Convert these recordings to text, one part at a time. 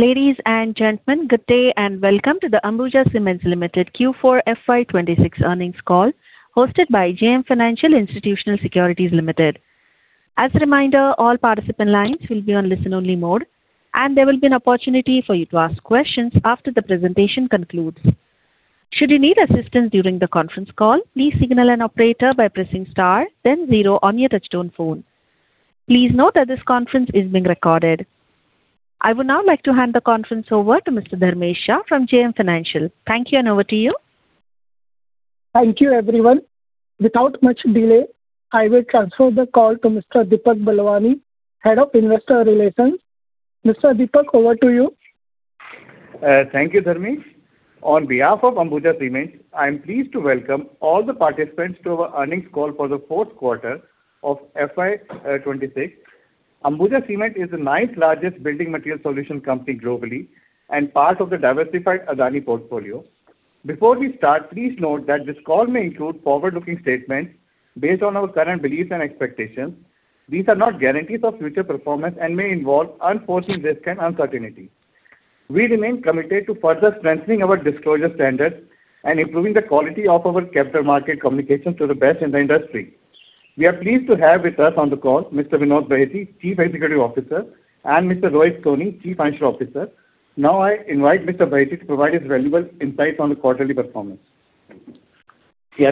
Ladies and gentlemen, good day and welcome to the Ambuja Cements Limited Q4 FY 2026 earnings call, hosted by JM Financial Institutional Securities Limited. As a reminder, all participant lines will be on listen-only mode, and there will be an opportunity for you to ask questions after the presentation concludes. Should you need assistance during the conference call, please signal an operator by pressing star then zero on your touch-tone phone. Please note that this conference is being recorded. I would now like to hand the conference over to Mr. Dharmesh Shah from JM Financial. Thank you, and over to you. Thank you, everyone. Without much delay, I will transfer the call to Mr. Deepak Balwani, Head of Investor Relations. Mr. Deepak, over to you. Thank you, Dharmesh. On behalf of Ambuja Cements, I am pleased to welcome all the participants to our earnings call for the fourth quarter of FY 2026. Ambuja Cements is the ninth-largest building material solution company globally and part of the diversified Adani portfolio. Before we start, please note that this call may include forward-looking statements based on our current beliefs and expectations. These are not guarantees of future performance and may involve unforeseen risks and uncertainties. We remain committed to further strengthening our disclosure standards and improving the quality of our capital market communications to the best in the industry. We are pleased to have with us on the call Mr. Vinod Bahety, Chief Executive Officer, and Mr. Rohit Soni, Chief Financial Officer. Now I invite Mr. Bahety to provide his valuable insights on the quarterly performance.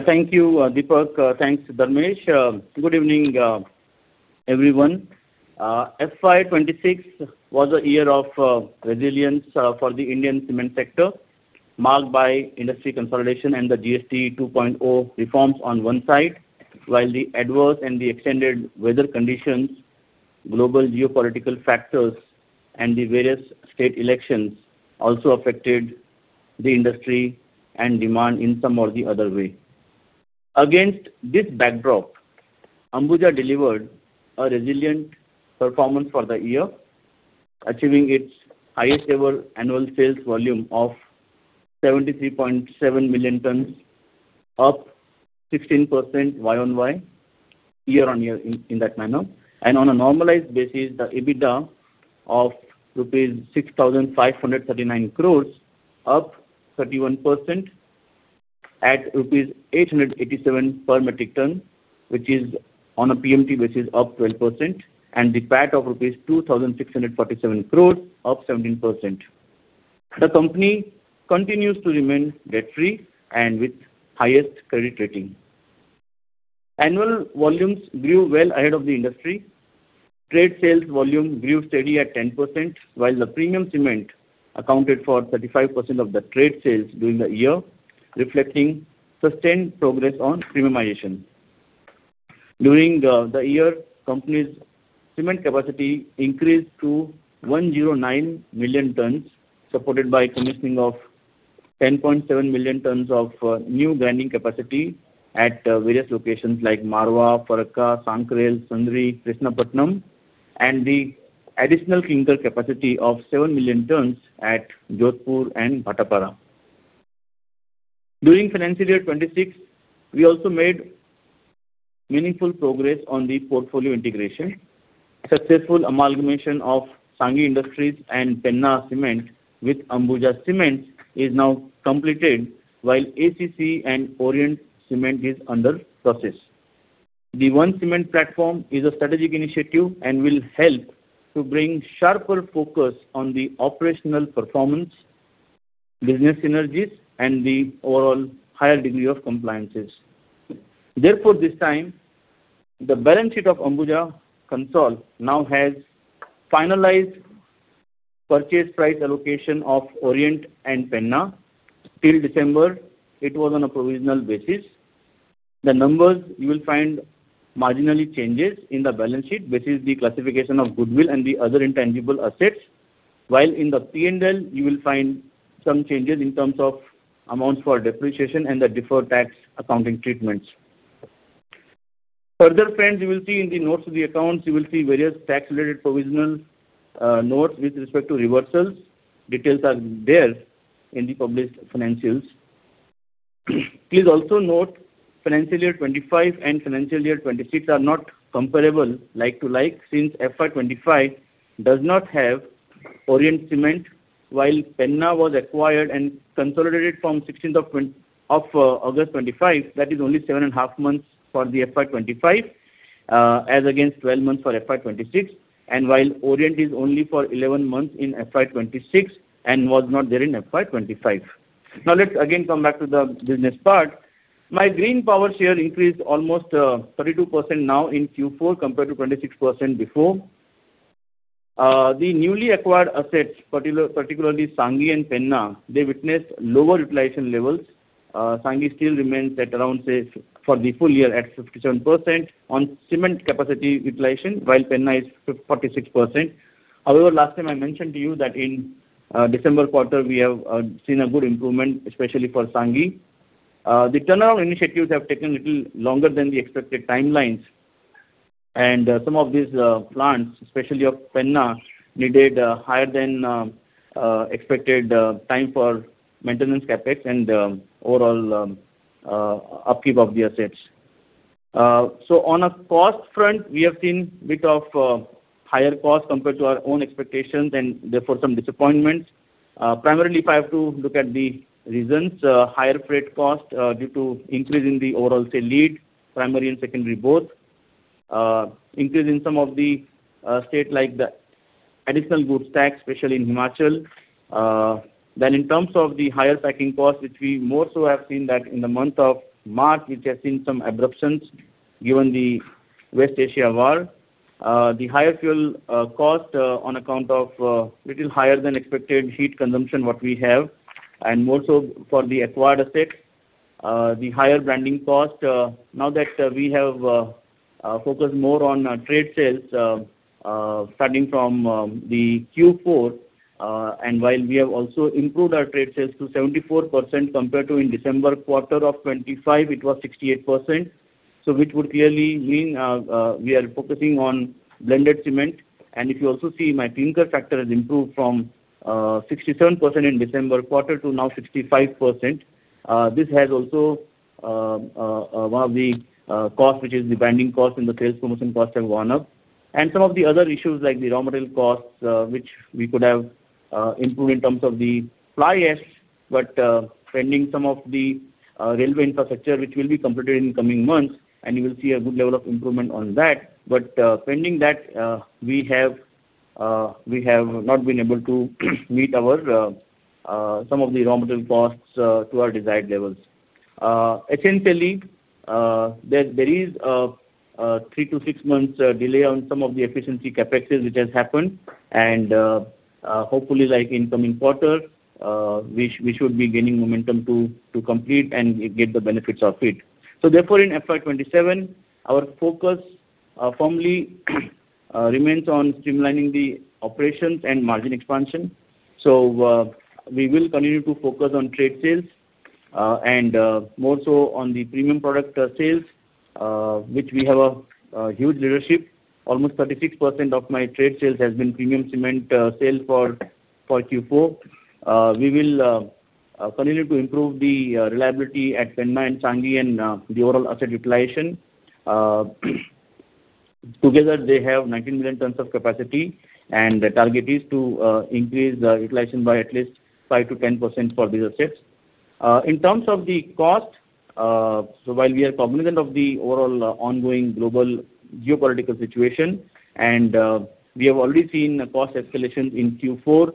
Thank you, Deepak Balwani. Thanks, Dharmesh Shah. Good evening, everyone. FY 2026 was a year of resilience for the Indian cement sector, marked by industry consolidation and the GST 2.0 Reforms on one side, while the adverse and the extended weather conditions, global geopolitical factors, and the various state elections also affected the industry and demand in some or the other way. Against this backdrop, Ambuja Cements delivered a resilient performance for the year, achieving its highest ever annual sales volume of 73.7 million tons, up 16% YoY, year-on-year in that manner. On a normalized basis, the EBITDA of rupees 6,539 crores, up 31% at rupees 887 per metric ton, which is on a PMT basis up 12% and the PAT of rupees 2,647 crores, up 17%. The company continues to remain debt-free and with highest credit rating. Annual volumes grew well ahead of the industry. Trade sales volume grew steady at 10%, while the premium cement accounted for 35% of the trade sales during the year, reflecting sustained progress on premiumization. During the year, company's cement capacity increased to 109 million tons, supported by commissioning of 10.7 million tons of new grinding capacity at various locations like Marwar, Farakka, Sankrail, Sindri, Krishnapatnam, and the additional clinker capacity of 7 million tons at Jodhpur and Bhatapara. During financial year 2026, we also made meaningful progress on the portfolio integration. Successful amalgamation of Sanghi Industries and Penna Cement with Ambuja Cements is now completed, while ACC and Orient Cement is under process. The One Cement platform is a strategic initiative and will help to bring sharper focus on the operational performance, business synergies, and the overall higher degree of compliances. This time, the balance sheet of Ambuja Cements now has finalized purchase price allocation of Orient and Penna. Till December, it was on a provisional basis. The numbers you will find marginally changes in the balance sheet versus the classification of goodwill and the other intangible assets. While in the P&L you will find some changes in terms of amounts for depreciation and the deferred tax accounting treatments. Further friends, you will see in the notes of the accounts, you will see various tax-related provisional notes with respect to reversals. Details are there in the published financials. Please also note, FY 2025 and FY 2026 are not comparable like to like, since FY 2025 does not have Orient Cement, while Penna was acquired and consolidated from 16th of August 2025. That is only seven and a half months for the FY 2025 as against 12 months for FY 2026. While Orient is only for 11 months in FY 2026 and was not there in FY 2025. Let's again come back to the business part. My green power share increased almost 32% now in Q4 compared to 26% before. The newly acquired assets, particularly Sanghi and Penna, they witnessed lower utilization levels. Sanghi Industries still remains at around, say, for the full year at 57% on cement capacity utilization, while Penna Cement Industries is 46%. Last time I mentioned to you that in December quarter, we have seen a good improvement, especially for Sanghi Industries. The turnaround initiatives have taken a little longer than the expected timelines, some of these plants, especially of Penna Cement Industries, needed higher than expected time for maintenance CapEx and overall upkeep of the assets. On a cost front, we have seen bit of higher costs compared to our own expectations and therefore some disappointments. Primarily if I have to look at the reasons, higher freight cost due to increase in the overall, say, lead, primary and secondary both. Increase in some of the state like the additional goods tax, especially in Himachal. In terms of the higher packing cost, which we more so have seen that in the month of March, which has seen some disruptions given the West Asia war. The higher fuel cost on account of little higher than expected heat consumption what we have, and more so for the acquired assets, the higher branding cost. Now that we have focused more on trade sales, starting from the Q4, and while we have also improved our trade sales to 74% compared to in December quarter of 2025 it was 68%. Which would clearly mean we are focusing on blended cement. If you also see my clinker factor has improved from 67% in December quarter to now 65%. This has also one of the cost which is the branding cost and the sales promotion cost have gone up. Some of the other issues like the raw material costs, which we could have improved in terms of the fly ash, but pending some of the railway infrastructure which will be completed in coming months, and you will see a good level of improvement on that. Pending that, we have not been able to meet our some of the raw material costs to our desired levels. Essentially, there is a three to six months delay on some of the efficiency CapExes which has happened, and hopefully like in coming quarter, we should be gaining momentum to complete and get the benefits of it. Therefore, in FY 2027, our focus firmly remains on streamlining the operations and margin expansion. We will continue to focus on trade sales and more so on the premium product sales which we have a huge leadership. Almost 36% of my trade sales has been premium cement sale for Q4. We will continue to improve the reliability at Penna and Sanghi and the overall asset utilization. Together they have 19 million tons of capacity, and the target is to increase the utilization by at least 5%-10% for these assets. In terms of the cost, while we are cognizant of the overall ongoing global geopolitical situation, and we have already seen a cost escalation in Q4,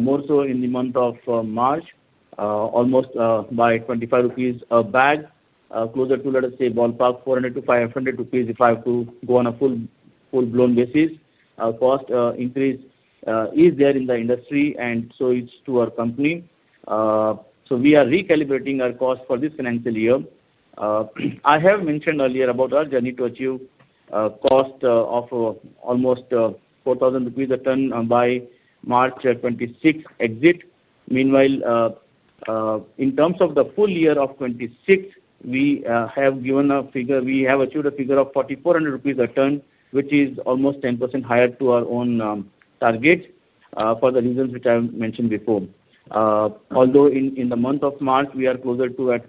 more so in the month of March, almost by 25 rupees a bag, closer to, let us say, ballpark 400-500 rupees if I have to go on a full-blown basis. Cost increase is there in the industry and so it's to our company. We are recalibrating our cost for this financial year. I have mentioned earlier about our journey to achieve cost of almost 4,000 rupees a ton by March 2026 exit. Meanwhile, in terms of the full year of 2026, we have achieved a figure of 4,400 rupees a ton, which is almost 10% higher to our own target for the reasons which I have mentioned before. In the month of March, we are closer to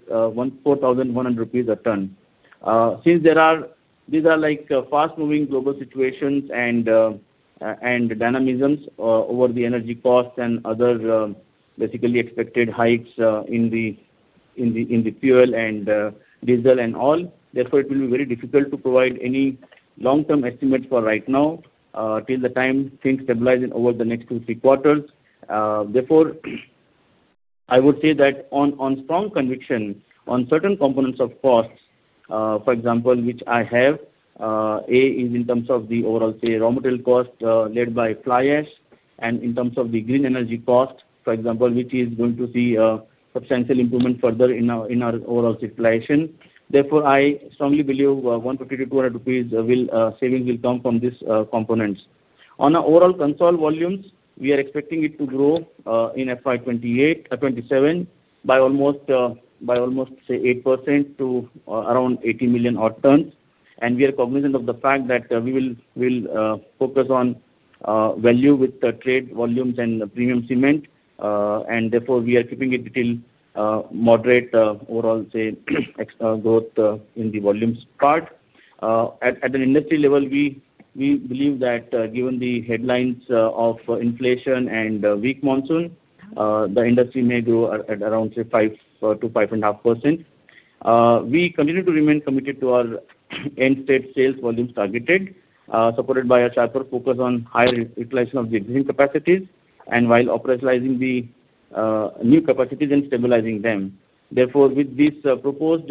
4,100 rupees a ton. Since there are these are like fast-moving global situations and dynamisms over the energy costs and other basically expected hikes in the fuel and diesel and all, it will be very difficult to provide any long-term estimates for right now, till the time things stabilize in over the next two, three quarters. I would say that on strong conviction on certain components of costs, for example, which I have, A, is in terms of the overall, say, raw material cost, led by fly ash, and in terms of the green energy cost, for example, which is going to see a substantial improvement further in our overall utilization. I strongly believe 150-200 rupees saving will come from this components. On our overall console volumes, we are expecting it to grow in FY 2028, 2027 by almost say 8% to around 80 million odd tons. We are cognizant of the fact that we will focus on value with the trade volumes and premium cement. Therefore, we are keeping it little moderate overall, say, ex-growth in the volumes part. At an industry level, we believe that given the headlines of inflation and a weak monsoon, the industry may grow at around, say, 5% to 5.5%. We continue to remain committed to our end state sales volumes targeted, supported by a charter focus on higher re-utilization of the existing capacities and while operationalizing the new capacities and stabilizing them. Therefore, with this proposed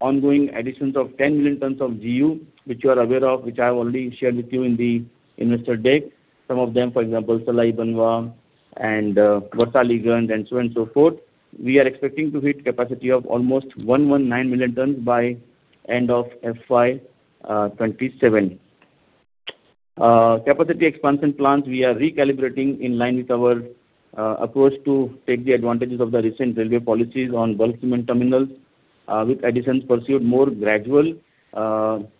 ongoing additions of 10 million tons of GU, which you are aware of, which I have already shared with you in the investor deck. Some of them, for example, Salai Banwa and Warisaliganj and so on and so forth. We are expecting to hit capacity of almost 119 million tons by end of FY 2027. Capacity expansion plans, we are recalibrating in line with our approach to take the advantages of the recent railway policies on bulk cement terminals, with additions pursued more gradual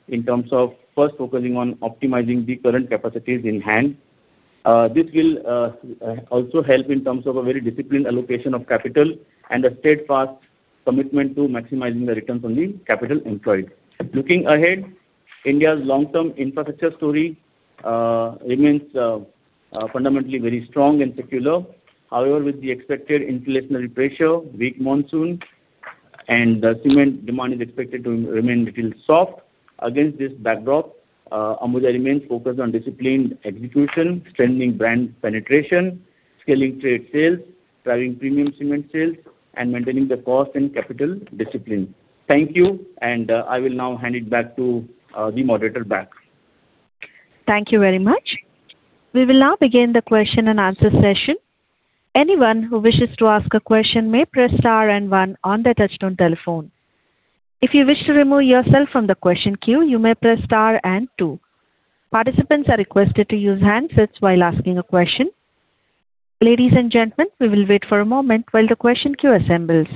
in terms of first focusing on optimizing the current capacities in hand. This will also help in terms of a very disciplined allocation of capital and a steadfast commitment to maximizing the returns on the capital employed. Looking ahead, India's long-term infrastructure story remains fundamentally very strong and secular. With the expected inflationary pressure, weak monsoon and the cement demand is expected to remain little soft. Against this backdrop, Ambuja remains focused on disciplined execution, strengthening brand penetration, scaling trade sales, driving premium cement sales, and maintaining the cost and capital discipline. Thank you. I will now hand it back to the moderator back. Thank you very much. We will now begin the question-and-answer session. Anyone who wishes to ask a question may press star and one on the touch-tone telephone. If you wish to remove yourself from the question queue, you may press star and two. Participants are requested to use handsets while asking a question. Ladies and gentlemen, we will wait for a moment while the question queue assembles.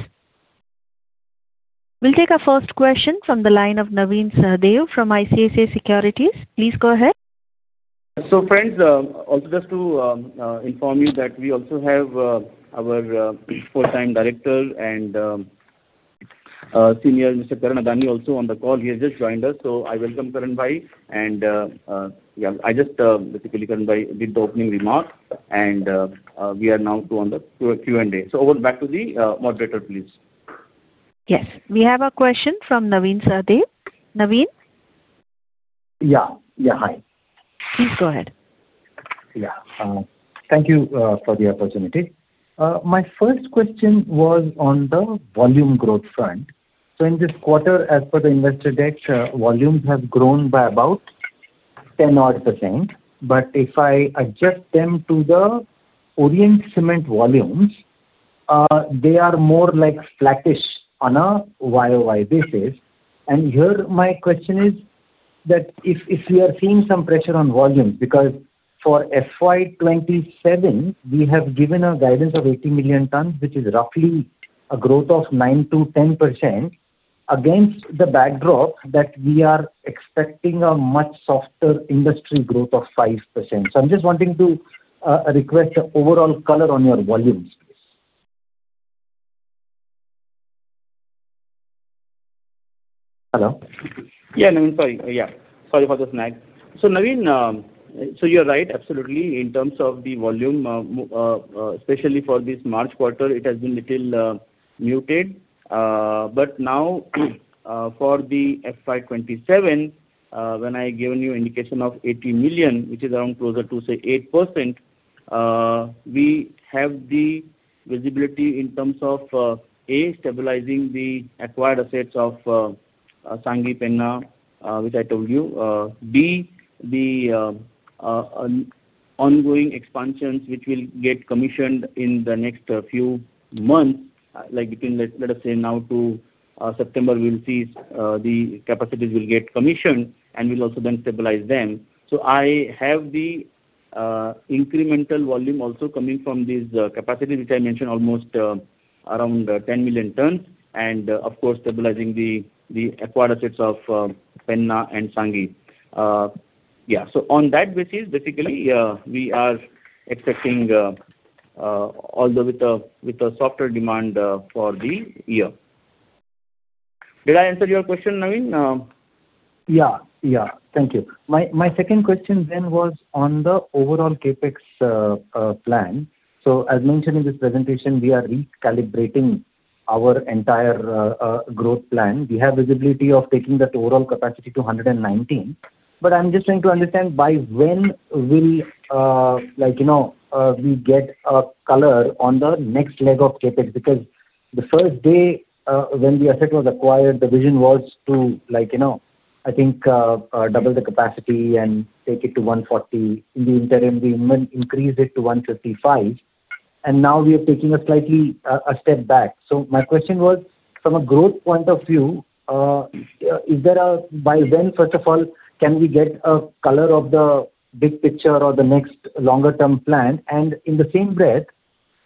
We'll take our first question from the line of Naveen Sahadev from ICICI Securities. Please go ahead. Friends, also just to inform you that we also have our Full-Time Director and Senior, Mr. Karan Adani also on the call. He has just joined us. I welcome Karan bhai. I just, Karan bhai, did the opening remark. We are now to a Q&A. Over back to the moderator, please. Yes. We have a question from Naveen Sahadev. Naveen? Yeah. Yeah, hi. Please go ahead. Thank you for the opportunity. My first question was on the volume growth front. In this quarter, as per the investor deck, volumes have grown by about 10 odd percent. If I adjust them to the Orient Cement volumes, they are more like flattish on a YOY basis. Here my question is that, if we are seeing some pressure on volumes, because for FY 2027 we have given a guidance of 80 million tons, which is roughly a growth of 9%-10% against the backdrop that we are expecting a much softer industry growth of 5%. I'm just wanting to request overall color on your volumes, please. Hello? Yeah, Naveen. Sorry. Yeah, sorry for the snag. Naveen, you're right, absolutely. In terms of the volume, especially for this March quarter, it has been little muted. Now, for the FY 2027, when I given you indication of 80 million, which is around closer to, say, 8%, we have the visibility in terms of, A, stabilizing the acquired assets of Sanghi, Penna, which I told you. B, the on-going expansions which will get commissioned in the next few months, like between, let us say now to September, we'll see the capacities will get commissioned and we'll also then stabilize them. I have the incremental volume also coming from these capacity which I mentioned almost around 10 million tons and of course stabilizing the acquired assets of Penna and Sanghi. On that basis, basically, we are expecting although with a softer demand for the year. Did I answer your question, Naveen? Thank you. My second question was on the overall CapEx plan. As mentioned in this presentation, we are recalibrating our entire growth plan. We have visibility of taking that overall capacity to 119 MTPA. I'm just trying to understand by when will, like, you know, we get a color on the next leg of CapEx? The first day, when the asset was acquired, the vision was to like, you know, I think, double the capacity and take it to 140. In the interim, we even increased it to 155. Now we are taking a slightly a step back. My question was, from a growth point of view, by when, first of all, can we get a color of the big picture or the next longer term plan? In the same breath,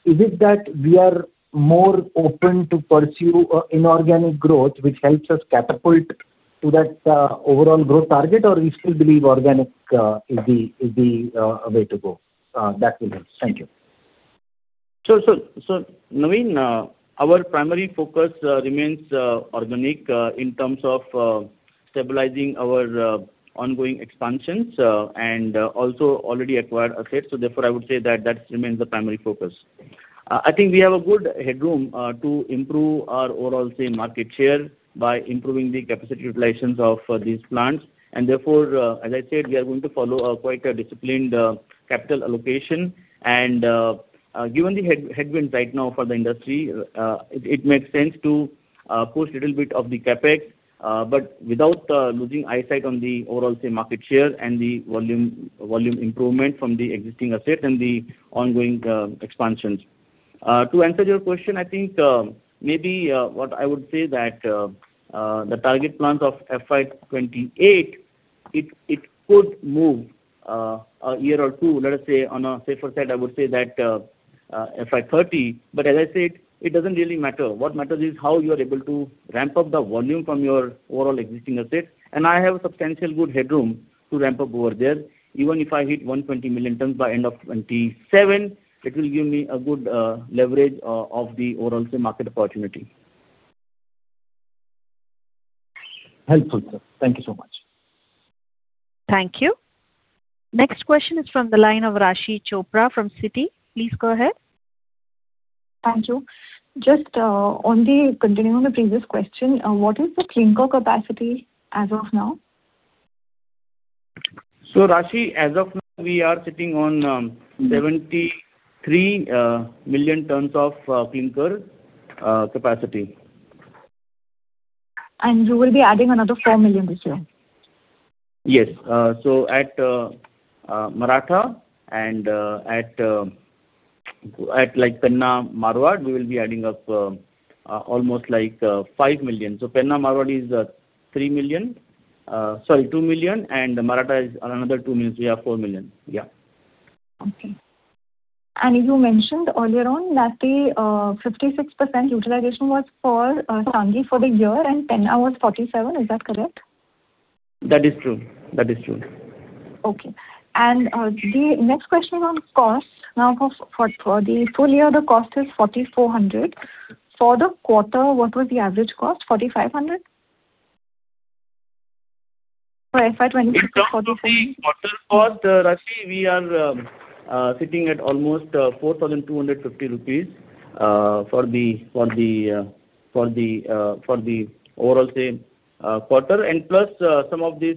is it that we are more open to pursue inorganic growth which helps us catapult to that overall growth target? We still believe organic is the way to go? That will help. Thank you. Naveen, our primary focus remains organic in terms of stabilizing our ongoing expansions and also already acquired assets. Therefore, I would say that that remains the primary focus. I think we have a good headroom to improve our overall, say, market share by improving the capacity utilizations of these plants. Therefore, as I said, we are going to follow a quite a disciplined capital allocation. Given the headwinds right now for the industry, it makes sense to push little bit of the CapEx, but without losing eyesight on the overall, say, market share and the volume improvement from the existing asset and the ongoing expansions. To answer your question, I think, maybe, what I would say that, the target plans of FY 2028, it could move, a year or two. Let us say on a safer side, I would say that, FY 2030. As I said, it doesn't really matter. What matters is how you are able to ramp up the volume from your overall existing assets, and I have substantial good headroom to ramp up over there. Even if I hit 120 million tons by end of 2027, it will give me a good leverage of the overall, say, market opportunity. Helpful, sir. Thank you so much. Thank you. Next question is from the line of Raashi Chopra from Citi. Please go ahead. Thank you. Just on the continuum of previous question, what is the clinker capacity as of now? Raashi, as of now we are sitting on, 73 million tons of clinker capacity. You will be adding another 4 million this year? Yes. At Maratha and at like Penna, Marwar, we will be adding up almost like 5 million. Penna, Marwar is 3 million. Sorry, 2 million, and Maratha is another 2 million, you have 4 million. Yeah. Okay. You mentioned earlier on that the 56% utilization was for Sanghi for the year and Penna was 47. Is that correct? That is true. That is true. Okay. The next question on costs. Now for the full year, the cost is 4,400. For the quarter, what was the average cost? 4,500? For FY 2026, 4,500. In terms of the quarter cost, Raashi, we are sitting at almost INR 4,250 for the overall, say, quarter. Plus, some of these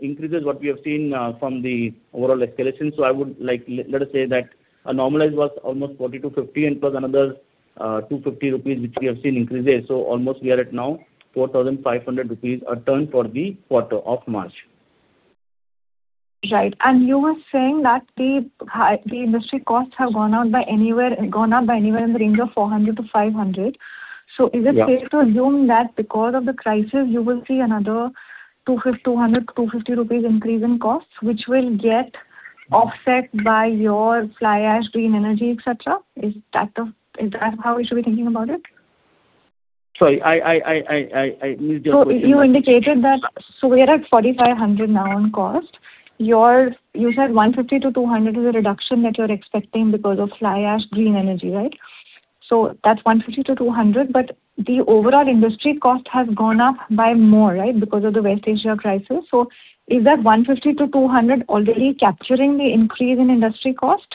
increases what we have seen from the overall escalation. I would like. Let us say that a normalized was almost 40-50 and plus another 250 rupees which we have seen increases. Almost we are at now 4,500 rupees a ton for the quarter of March. Right. You were saying that the industry costs have gone up by anywhere in the range of 400 to 500. Yeah. Is it safe to assume that because of the crisis you will see another 200, 250 rupees increase in costs, which will get offset by your fly ash green energy, et cetera? Is that how we should be thinking about it? Sorry, I missed your question. You indicated that. We are at 4,500 now on cost. You said 150-200 is a reduction that you're expecting because of fly ash green energy, right? That's 150-200. The overall industry cost has gone up by more, right? Because of the West Asia crisis. Is that 150-200 already capturing the increase in industry cost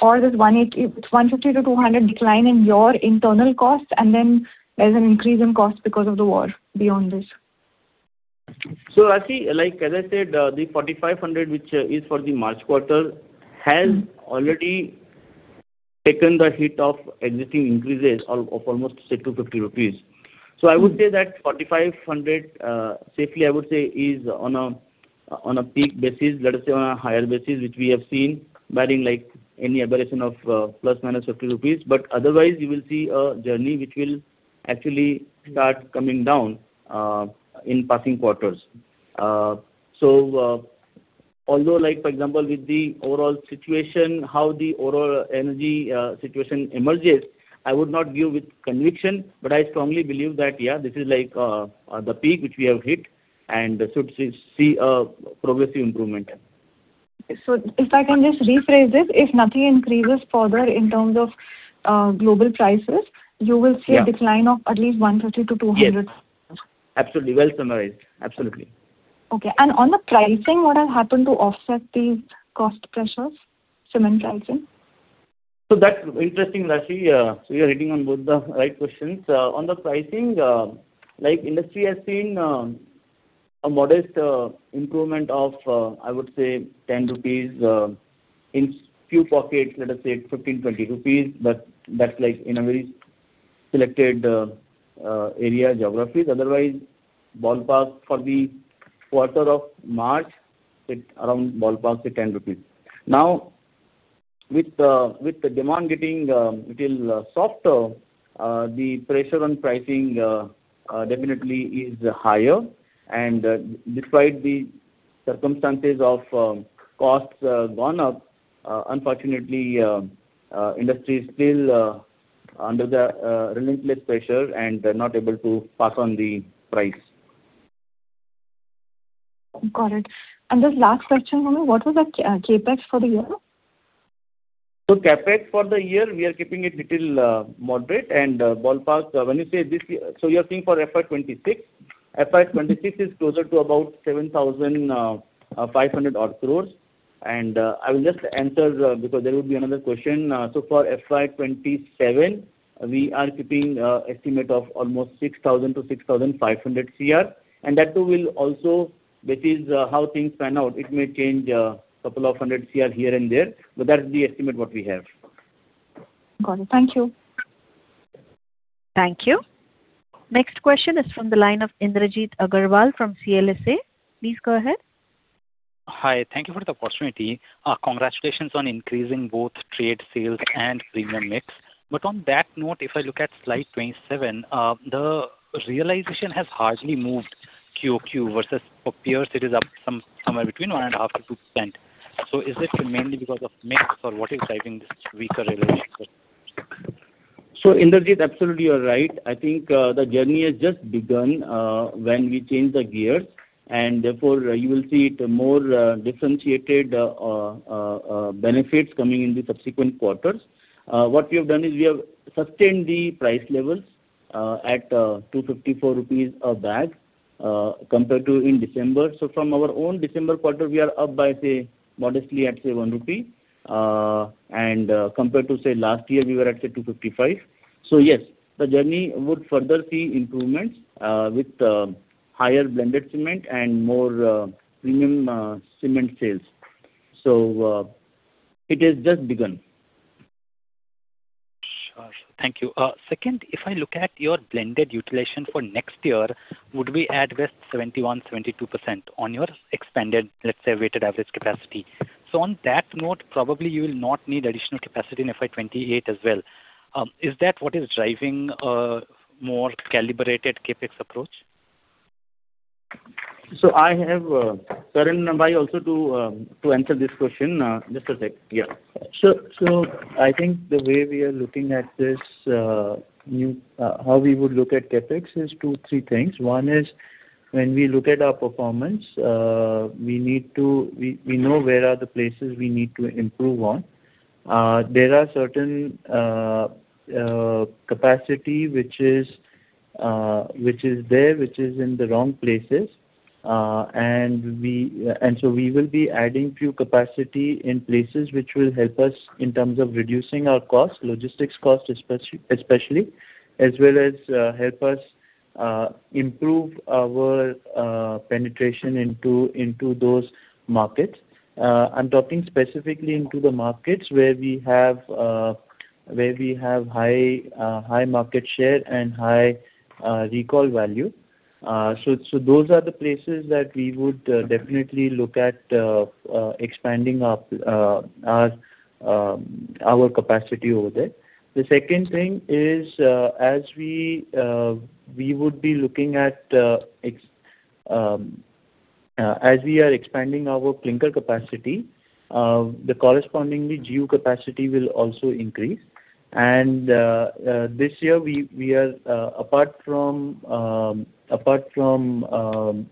or this 150-200 decline in your internal cost and then there's an increase in cost because of the war beyond this? Raashi, like as I said, the 4,500 which is for the March quarter has already taken the hit of existing increases of almost say 250 rupees. I would say that 4,500, safely I would say is on a, on a peak basis, let us say on a higher basis, which we have seen barring like any aberration of ±50 rupees. Otherwise you will see a journey which will actually start coming down in passing quarters. Although like for example with the overall situation, how the overall energy situation emerges, I would not give with conviction, but I strongly believe that, yeah, this is like the peak which we have hit and should see a progressive improvement. If I can just rephrase this. If nothing increases further in terms of global prices, Yeah. you will see a decline of at least 150-200? Yes. Absolutely. Well summarized. Absolutely. Okay. On the pricing, what has happened to offset these cost pressures? Cement pricing. That's interesting, Raashi. You're hitting on both the right questions. On the pricing, like industry has seen a modest improvement of I would say 10 rupees in few pockets, let us say 15 rupees, 20 rupees, but that's like in a very selected area geographies. Otherwise, ballpark for the quarter of March, it's around ballpark say 10 rupees. With the demand getting little softer, the pressure on pricing definitely is higher. Despite the circumstances of costs gone up, unfortunately, industry is still under the relentless pressure and not able to pass on the price. Got it. Just last question for me, what was the CapEx for the year? CapEx for the year, we are keeping it little moderate and ballpark, when you say this year, you're saying for FY 2026? Mm-hmm. FY 2026 is closer to about 7,500 odd crores. I will just answer because there will be another question. For FY 2027 we are keeping a estimate of almost 6,000-6,500 Cr. That is how things pan out. It may change, couple of hundred Cr here and there, that's the estimate what we have. Got it. Thank you. Thank you. Next question is from the line of Indrajit Agarwal from CLSA. Please go ahead. Hi. Thank you for the opportunity. Congratulations on increasing both trade sales and premium mix. On that note, if I look at slide 27, the realization has hardly moved. QoQ versus for peers, it is up somewhere between 1.5% to 2%. Is it mainly because of mix or what is driving this weaker revenue? Indrajit, absolutely you're right. I think the journey has just begun when we change the gears. You will see the more differentiated benefits coming in the subsequent quarters. What we have done is we have sustained the price levels at 254 rupees a bag compared to in December. From our own December quarter, we are up by, say, modestly at, say, 1 rupee. Compared to, say, last year, we were at, say, 255. Yes, the journey would further see improvements with higher blended cement and more premium cement sales. It has just begun. Sure. Thank you. Second, if I look at your blended utilization for next year, would we add with 71%, 22% on your expanded, let's say, weighted average capacity? On that note, probably you will not need additional capacity in FY 2028 as well. Is that what is driving a more calibrated CapEx approach? I'll have Karan bhai also to answer this question. Just a sec. Yeah. I think the way we are looking at this, how we would look at CapEx is two, three things. One is when we look at our performance, we know where are the places we need to improve on. There are certain capacity which is there, which is in the wrong places. We will be adding few capacity in places which will help us in terms of reducing our cost, logistics cost especially, as well as help us improve our penetration into those markets. I'm talking specifically into the markets where we have, where we have high, high market share and high recall value. Those are the places that we would definitely look at expanding our capacity over there. The second thing is, as we are expanding our clinker capacity, the correspondingly GU capacity will also increase. This year we are apart from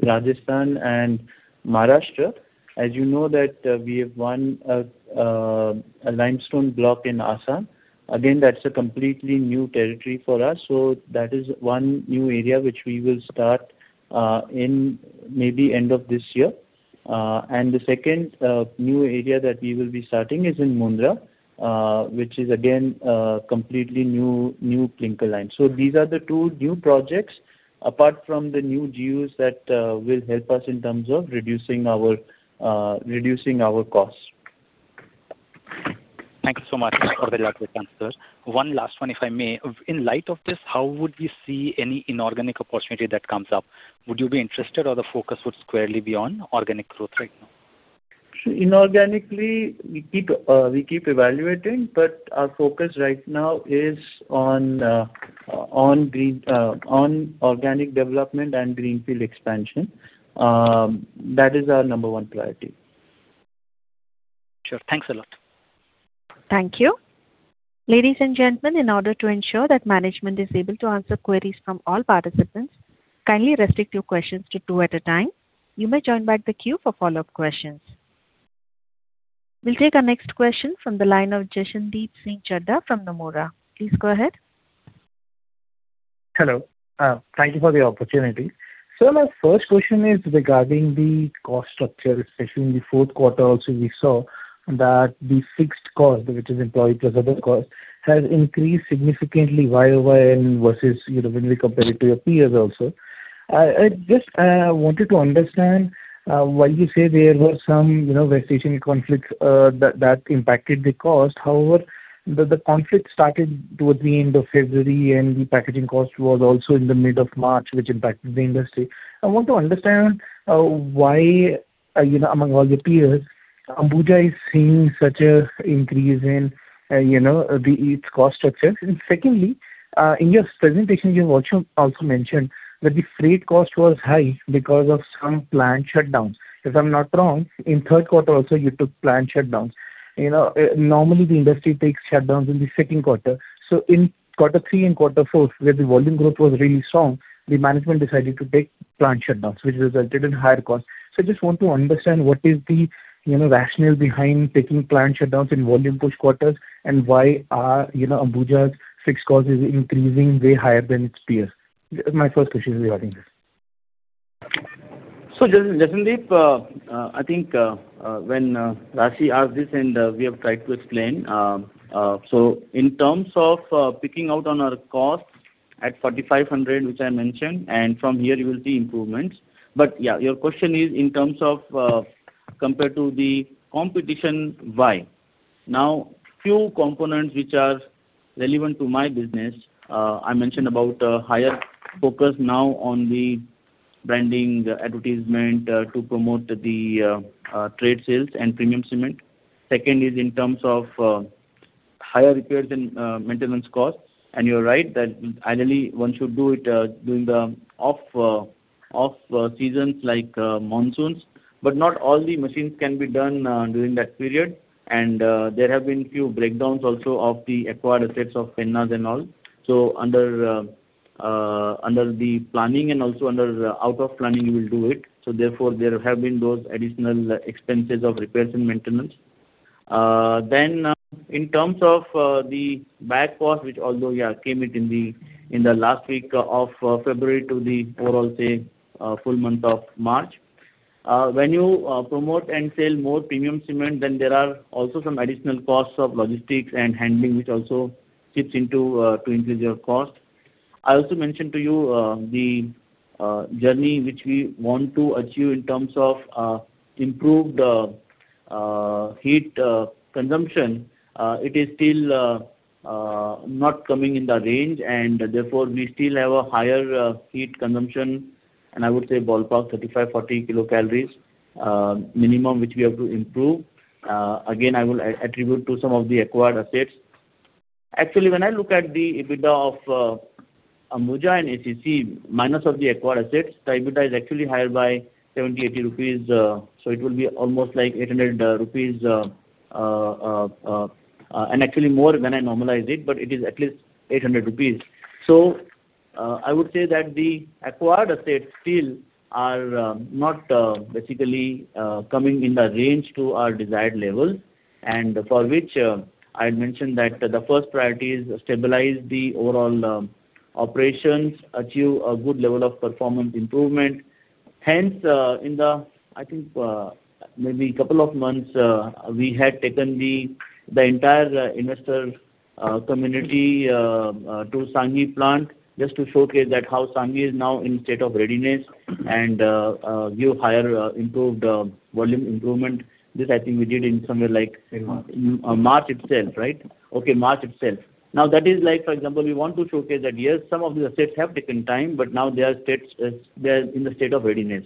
Rajasthan and Maharashtra, as you know that we have won a limestone block in Assam. Again, that's a completely new territory for us, so that is one new area which we will start in maybe end of this year. The second new area that we will be starting is in Mundra, which is again, completely new clinker line. These are the two new projects apart from the new GUs that will help us in terms of reducing our costs. Thank you so much for the elaborate answers. One last one, if I may. In light of this, how would we see any inorganic opportunity that comes up? Would you be interested or the focus would squarely be on organic growth right now? Inorganically, we keep evaluating. Our focus right now is on organic development and greenfield expansion. That is our number one priority. Sure. Thanks a lot. Thank you. Ladies and gentlemen, in order to ensure that management is able to answer queries from all participants, kindly restrict your questions to two at a time. You may join back the queue for follow-up questions. We'll take our next question from the line of Jashandeep Singh Chadha from Nomura. Please go ahead. Hello. Thank you for the opportunity. Sir, my 1st question is regarding the cost structure, especially in the 4th quarter also we saw that the fixed cost, which is employee plus other cost, has increased significantly YoY and versus, you know, when we compare it to your peers also. I just wanted to understand, while you say there were some, you know, West Asian conflicts that impacted the cost. However, the conflict started towards the end of February, and the packaging cost was also in the mid of March, which impacted the industry. I want to understand, why, you know, among all your peers, Ambuja is seeing such a increase in, you know, its cost structure. Secondly, in your presentation, you've also mentioned that the freight cost was high because of some plant shutdowns. If I'm not wrong, in third quarter also you took plant shutdowns. You know, normally the industry takes shutdowns in the second quarter. In quarter three and quarter four, where the volume growth was really strong, the management decided to take plant shutdowns, which resulted in higher costs. I just want to understand what is the, you know, rationale behind taking plant shutdowns in volume push quarters, and why are, you know, Ambuja's fixed cost is increasing way higher than its peers? This is my first question regarding this. Jashandeep, I think when Raashi asked this and we have tried to explain. In terms of peaking out on our cost at 4,500, which I mentioned, and from here you will see improvements. Yeah, your question is in terms of compared to the competition, why? Now, few components which are relevant to my business, I mentioned about higher focus now on the branding, advertisement, to promote the trade sales and premium cement. Second is in terms of higher repairs and maintenance costs. You're right that ideally one should do it during the off seasons like monsoons. Not all the machines can be done during that period. There have been few breakdowns also of the acquired assets of Penna and all. Under under the planning and also under out of planning we will do it. Therefore, there have been those additional expenses of repairs and maintenance. In terms of the bag cost, which although, yeah, came it in the, in the last week of February to the overall, say, full month of March. When you promote and sell more premium cement, then there are also some additional costs of logistics and handling which also chips into to increase your cost. I also mentioned to you the journey which we want to achieve in terms of improved heat consumption. It is still not coming in the range and therefore we still have a higher heat consumption, and I would say ballpark 35, 40 kcal minimum which we have to improve. Again, I will attribute to some of the acquired assets. Actually, when I look at the EBITDA of Ambuja and ACC minus of the acquired assets, the EBITDA is actually higher by 70 rupees, 80 rupees. It will be almost like 800 rupees and actually more when I normalize it, but it is at least 800 rupees. I would say that the acquired assets still are not basically coming in the range to our desired level. For which, I had mentioned that the first priority is stabilize the overall operations, achieve a good level of performance improvement. Hence, in the, I think, maybe couple of months, we had taken the entire investor community to Sanghi plant just to showcase that how Sanghi is now in state of readiness and give higher improved volume improvement. This I think we did in somewhere. In March. March itself, right? Okay, March itself. Now, that is like, for example, we want to showcase that, yes, some of the assets have taken time, but now they are states, they are in the state of readiness.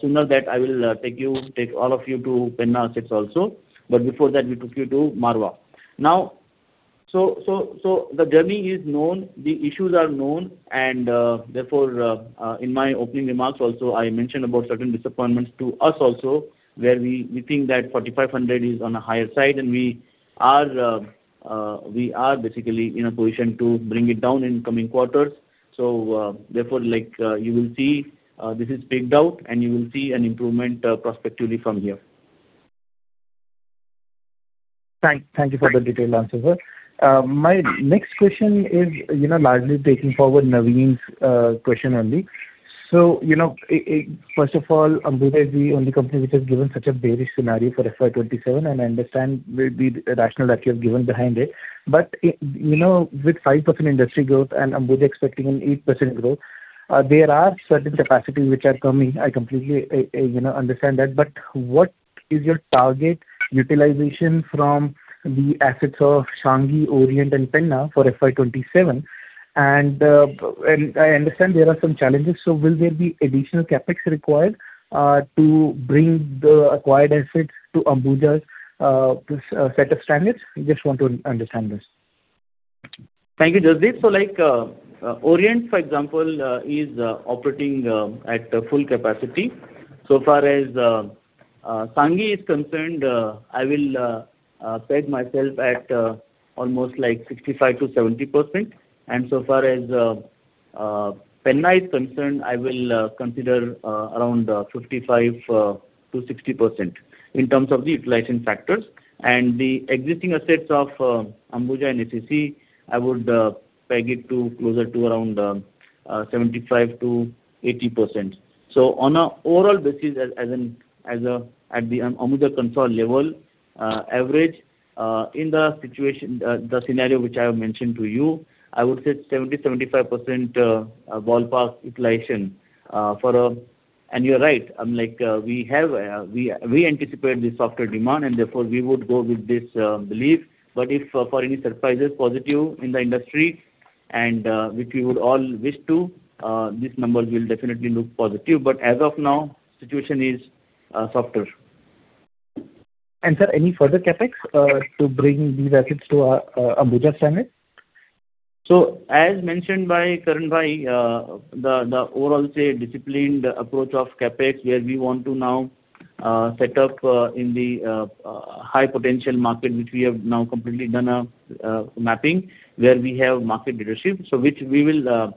Sooner that I will take you, take all of you to Penna assets also. Before that we took you to Marwar. Now, the journey is known, the issues are known, and therefore, in my opening remarks also, I mentioned about certain disappointments to us also, where we think that 4,500 is on a higher side and we are basically in a position to bring it down in coming quarters. Therefore, like, you will see, this is peaked out and you will see an improvement prospectively from here. Thank you for the detailed answer, sir. My next question is, you know, largely taking forward Naveen's question only. You know, first of all, Ambuja is the only company which has given such a bearish scenario for FY 2027, and I understand the rationale that you have given behind it. You know, with 5% industry growth and Ambuja expecting an 8% growth, there are certain capacities which are coming. I completely, you know, understand that. What is your target utilization from the assets of Sanghi, Orient, and Penna for FY 2027? I understand there are some challenges, so will there be additional CapEx required to bring the acquired assets to Ambuja's set of standards? I just want to understand this. Thank you, Jasdeep. Like, Orient for example, is operating at full capacity. Far as Sanghi is concerned, I will peg myself at almost like 65%-70%. Far as Penna is concerned, I will consider around 55%-60% in terms of the utilization factors. The existing assets of Ambuja and ACC, I would peg it to closer to around 75%-80%. On an overall basis at the Ambuja control level, average in the situation, the scenario which I have mentioned to you, I would say 70%-75% ballpark utilization. You're right, like, we have, we anticipate the softer demand and therefore we would go with this belief. If for any surprises positive in the industry and which we would all wish to, these numbers will definitely look positive. As of now, situation is softer. Sir, any further CapEx to bring these assets to Ambuja standard? As mentioned by Karan bhai, the overall, say, disciplined approach of CapEx, where we want to now set up in the high potential market, which we have now completely done a mapping, where we have market leadership. Which we will.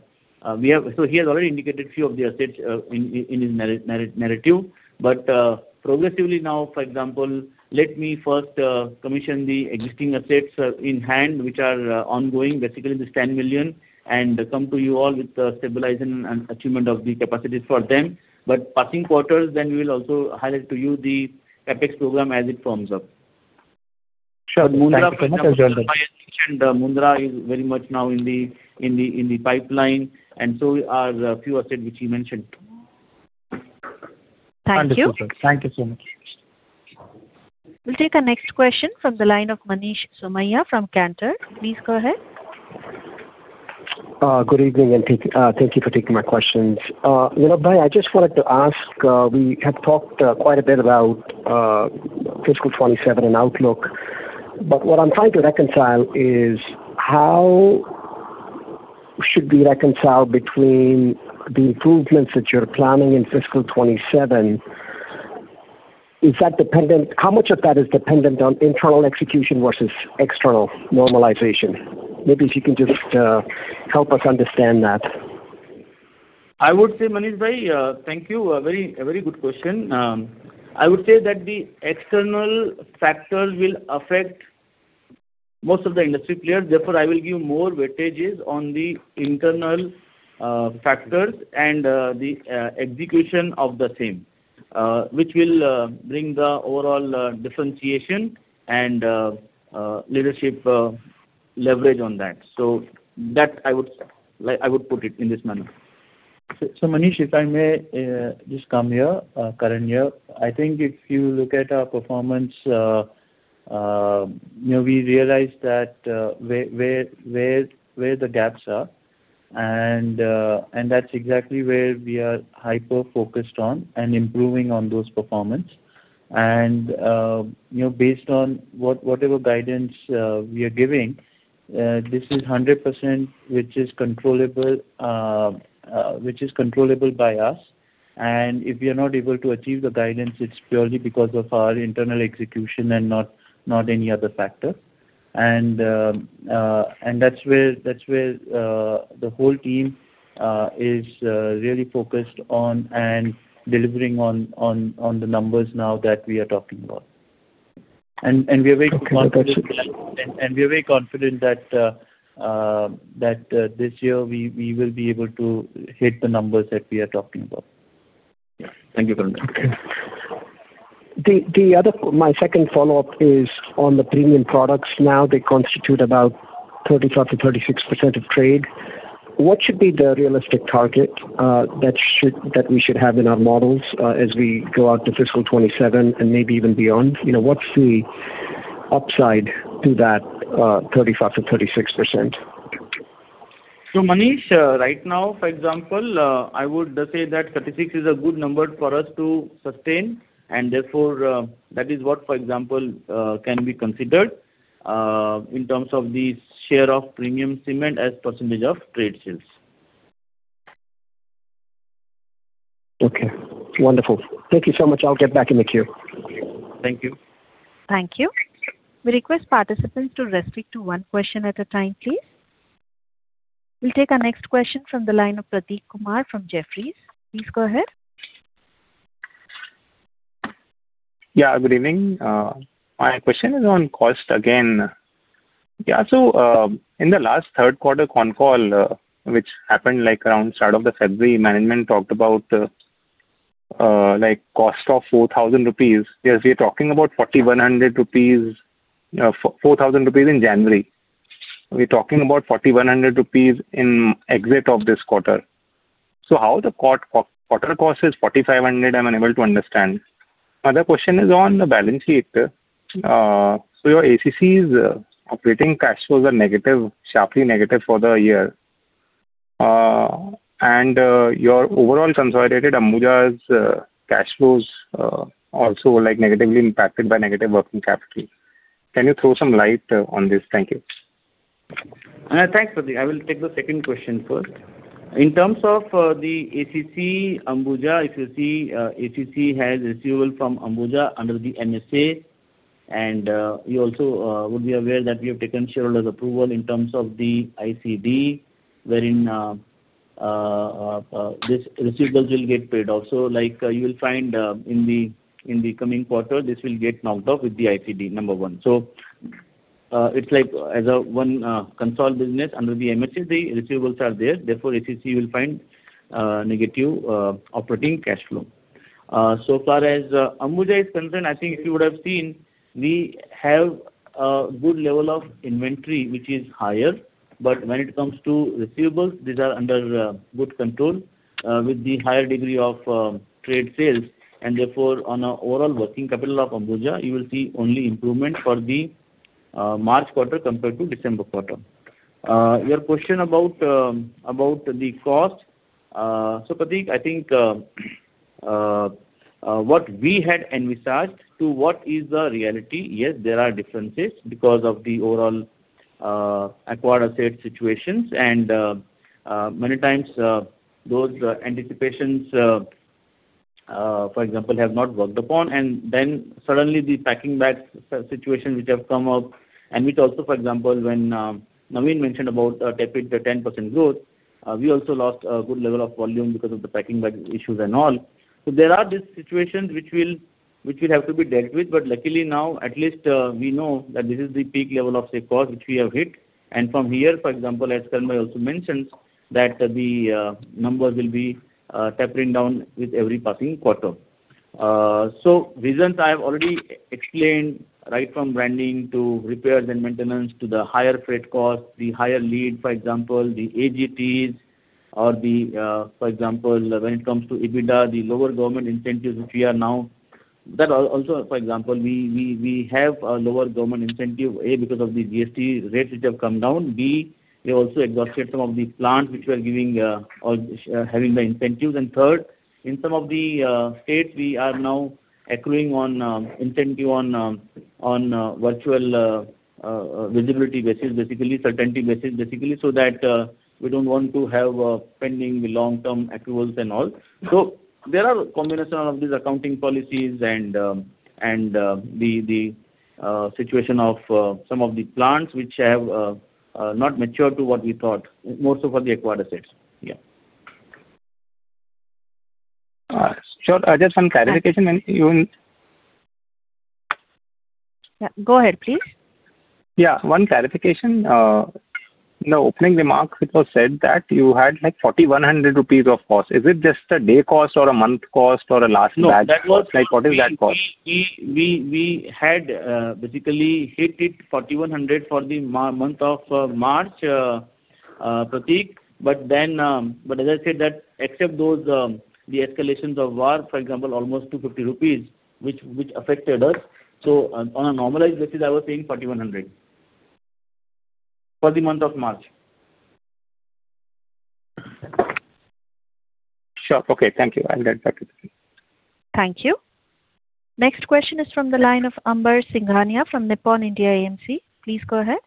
He has already indicated few of the assets in his narrative. Progressively now, for example, let me first commission the existing assets in hand, which are ongoing, basically this 10 million, and come to you all with stabilizing and achievement of the capacities for them. Passing quarters, we will also highlight to you the CapEx program as it forms up. Sure. Thank you so much. As Karan bhai has already mentioned, Mundra is very much now in the pipeline, and so are the few assets which he mentioned. Thank you. Understood, sir. Thank you so much. We'll take our next question from the line of Manish Somaiya from Cantor. Please go ahead. Good evening and thank you for taking my questions. You know, bhai, I just wanted to ask, we have talked quite a bit about fiscal 2027 and outlook. What I'm trying to reconcile is how should we reconcile between the improvements that you're planning in fiscal 2027. Is that dependent? How much of that is dependent on internal execution versus external normalization? Maybe if you can just help us understand that. I would say, Manish bhai, thank you. A very good question. I would say that the external factors will affect most of the industry players, therefore I will give more weightages on the internal factors and the execution of the same. Which will bring the overall differentiation and leadership leverage on that. That I would put it in this manner. Manish, if I may, just come here, Karan here. I think if you look at our performance, you know, we realize that where the gaps are, and that's exactly where we are hyper-focused on and improving on those performance. You know, based on whatever guidance we are giving, this is 100% which is controllable, which is controllable by us. If we are not able to achieve the guidance, it's purely because of our internal execution and not any other factor. That's where the whole team is really focused on and delivering on the numbers now that we are talking about. We are very confident that. Okay. That's it. We are very confident that this year we will be able to hit the numbers that we are talking about. Yeah. Thank you, Karan. The other. My second follow-up is on the premium products. They constitute about 35%-36% of trade. What should be the realistic target that we should have in our models as we go out to FY 2027 and maybe even beyond? You know, what's the upside to that 35%-36%? Manish, right now, for example, I would say that 36% is a good number for us to sustain and therefore, that is what, for example, can be considered in terms of the share of premium cement as percentage of trade sales. Okay, wonderful. Thank you so much. I'll get back in the queue. Thank you. Thank you. We request participants to restrict to one question at a time, please. We'll take our next question from the line of Prateek Kumar from Jefferies. Please go ahead. Good evening. My question is on cost again. In the last third quarter con call, which happened like around start of the February, management talked about like cost of 4,000 rupees. Yes, we are talking about 4,100 rupees, 4,000 rupees in January. We're talking about 4,100 rupees in exit of this quarter. How the quarter cost is 4,500, I'm unable to understand. Another question is on the balance sheet. Your ACC's operating cash flows are negative, sharply negative for the year. Your overall consolidated Ambuja's cash flows also were like negatively impacted by negative working capital. Can you throw some light on this? Thank you. Thanks, Prateek. I will take the second question first. In terms of the ACC, Ambuja, if you see, ACC has receivable from Ambuja under the MSA and you also would be aware that we have taken shareholders' approval in terms of the ICD wherein this receivables will get paid also. Like you will find, in the coming quarter, this will get knocked off with the ICD number 1. It's like as a one consolid business under the MSA receivables are there, therefore ACC will find negative operating cash flow. So far as Ambuja is concerned, I think if you would have seen, we have a good level of inventory which is higher, but when it comes to receivables, these are under good control with the higher degree of trade sales. On a overall working capital of Ambuja, you will see only improvement for the March quarter compared to December quarter. Your question about about the cost. Prateek, I think what we had envisaged to what is the reality, yes, there are differences because of the overall acquired asset situations and many times those anticipations, for example, have not worked upon. Suddenly the packing bag situation which have come up and which also, for example, when Naveen mentioned about tepid the 10% growth, we also lost a good level of volume because of the packing bag issues and all. There are these situations which will have to be dealt with. Luckily now at least, we know that this is the peak level of say cost which we have hit. From here, for example, as Karan also mentioned that the numbers will be tapering down with every passing quarter. Reasons I have already explained right from branding to repairs and maintenance to the higher freight cost, the higher lead, for example, the AGTs or, for example, when it comes to EBITDA, the lower government incentives which we are now. Also, for example, we have a lower government incentive, A, because of the GST rates which have come down. B, we also exhausted some of the plants which were giving or having the incentives. Third, in some of the states we are now accruing on incentive on virtual visibility basis, certainty basis, so that we don't want to have pending the long-term accruals and all. There are combination of these accounting policies and the situation of some of the plants which have not matured to what we thought, most of all the acquired assets. Yeah. Sure. I just have one clarification and... Yeah, go ahead, please. Yeah, one clarification. In the opening remarks it was said that you had like 4,100 rupees of cost. Is it just a day cost or a month cost or a last batch cost? Like, what is that cost? We had basically hit it 4,100 for the month of March, Pratik. As I said that except those, the escalations of war, for example, almost 250 rupees which affected us. On a normalized basis, I was saying 4,100 for the month of March. Sure. Okay. Thank you. I'll get back to you. Thank you. Next question is from the line of Amber Singhania from Nippon India AMC. Please go ahead.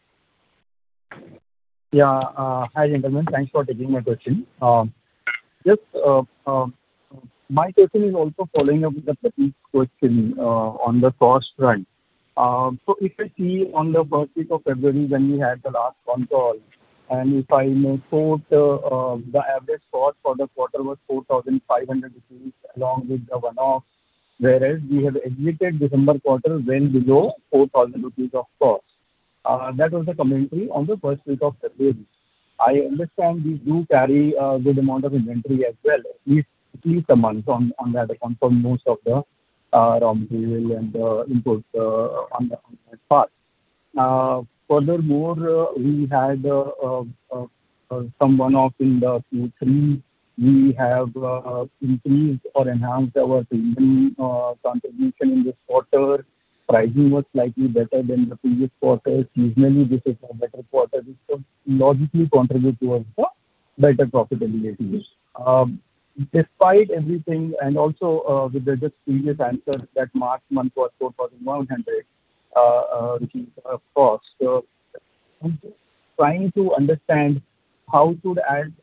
Yeah. Hi, gentlemen. Thanks for taking my question. My question is also following up with the Prateek question on the cost front. If you see on the first week of February when we had the last con call, and if I may quote, the average cost for the quarter was 4,500 rupees along with the one-off. Whereas we had admitted December quarter went below 4,000 rupees of cost. That was the commentary on the first week of February. I understand we do carry a good amount of inventory as well, at least a month on that account for most of the raw material and imports on that part. Furthermore, we had some one-off in the Q3. We have increased or enhanced our revenue contribution in this quarter. Pricing was slightly better than the previous quarter. Seasonally, this is a better quarter, which would logically contribute towards the better profitability this year. Despite everything and also with the just previous answer that March month was 4,100 rupees of cost. I'm just trying to understand how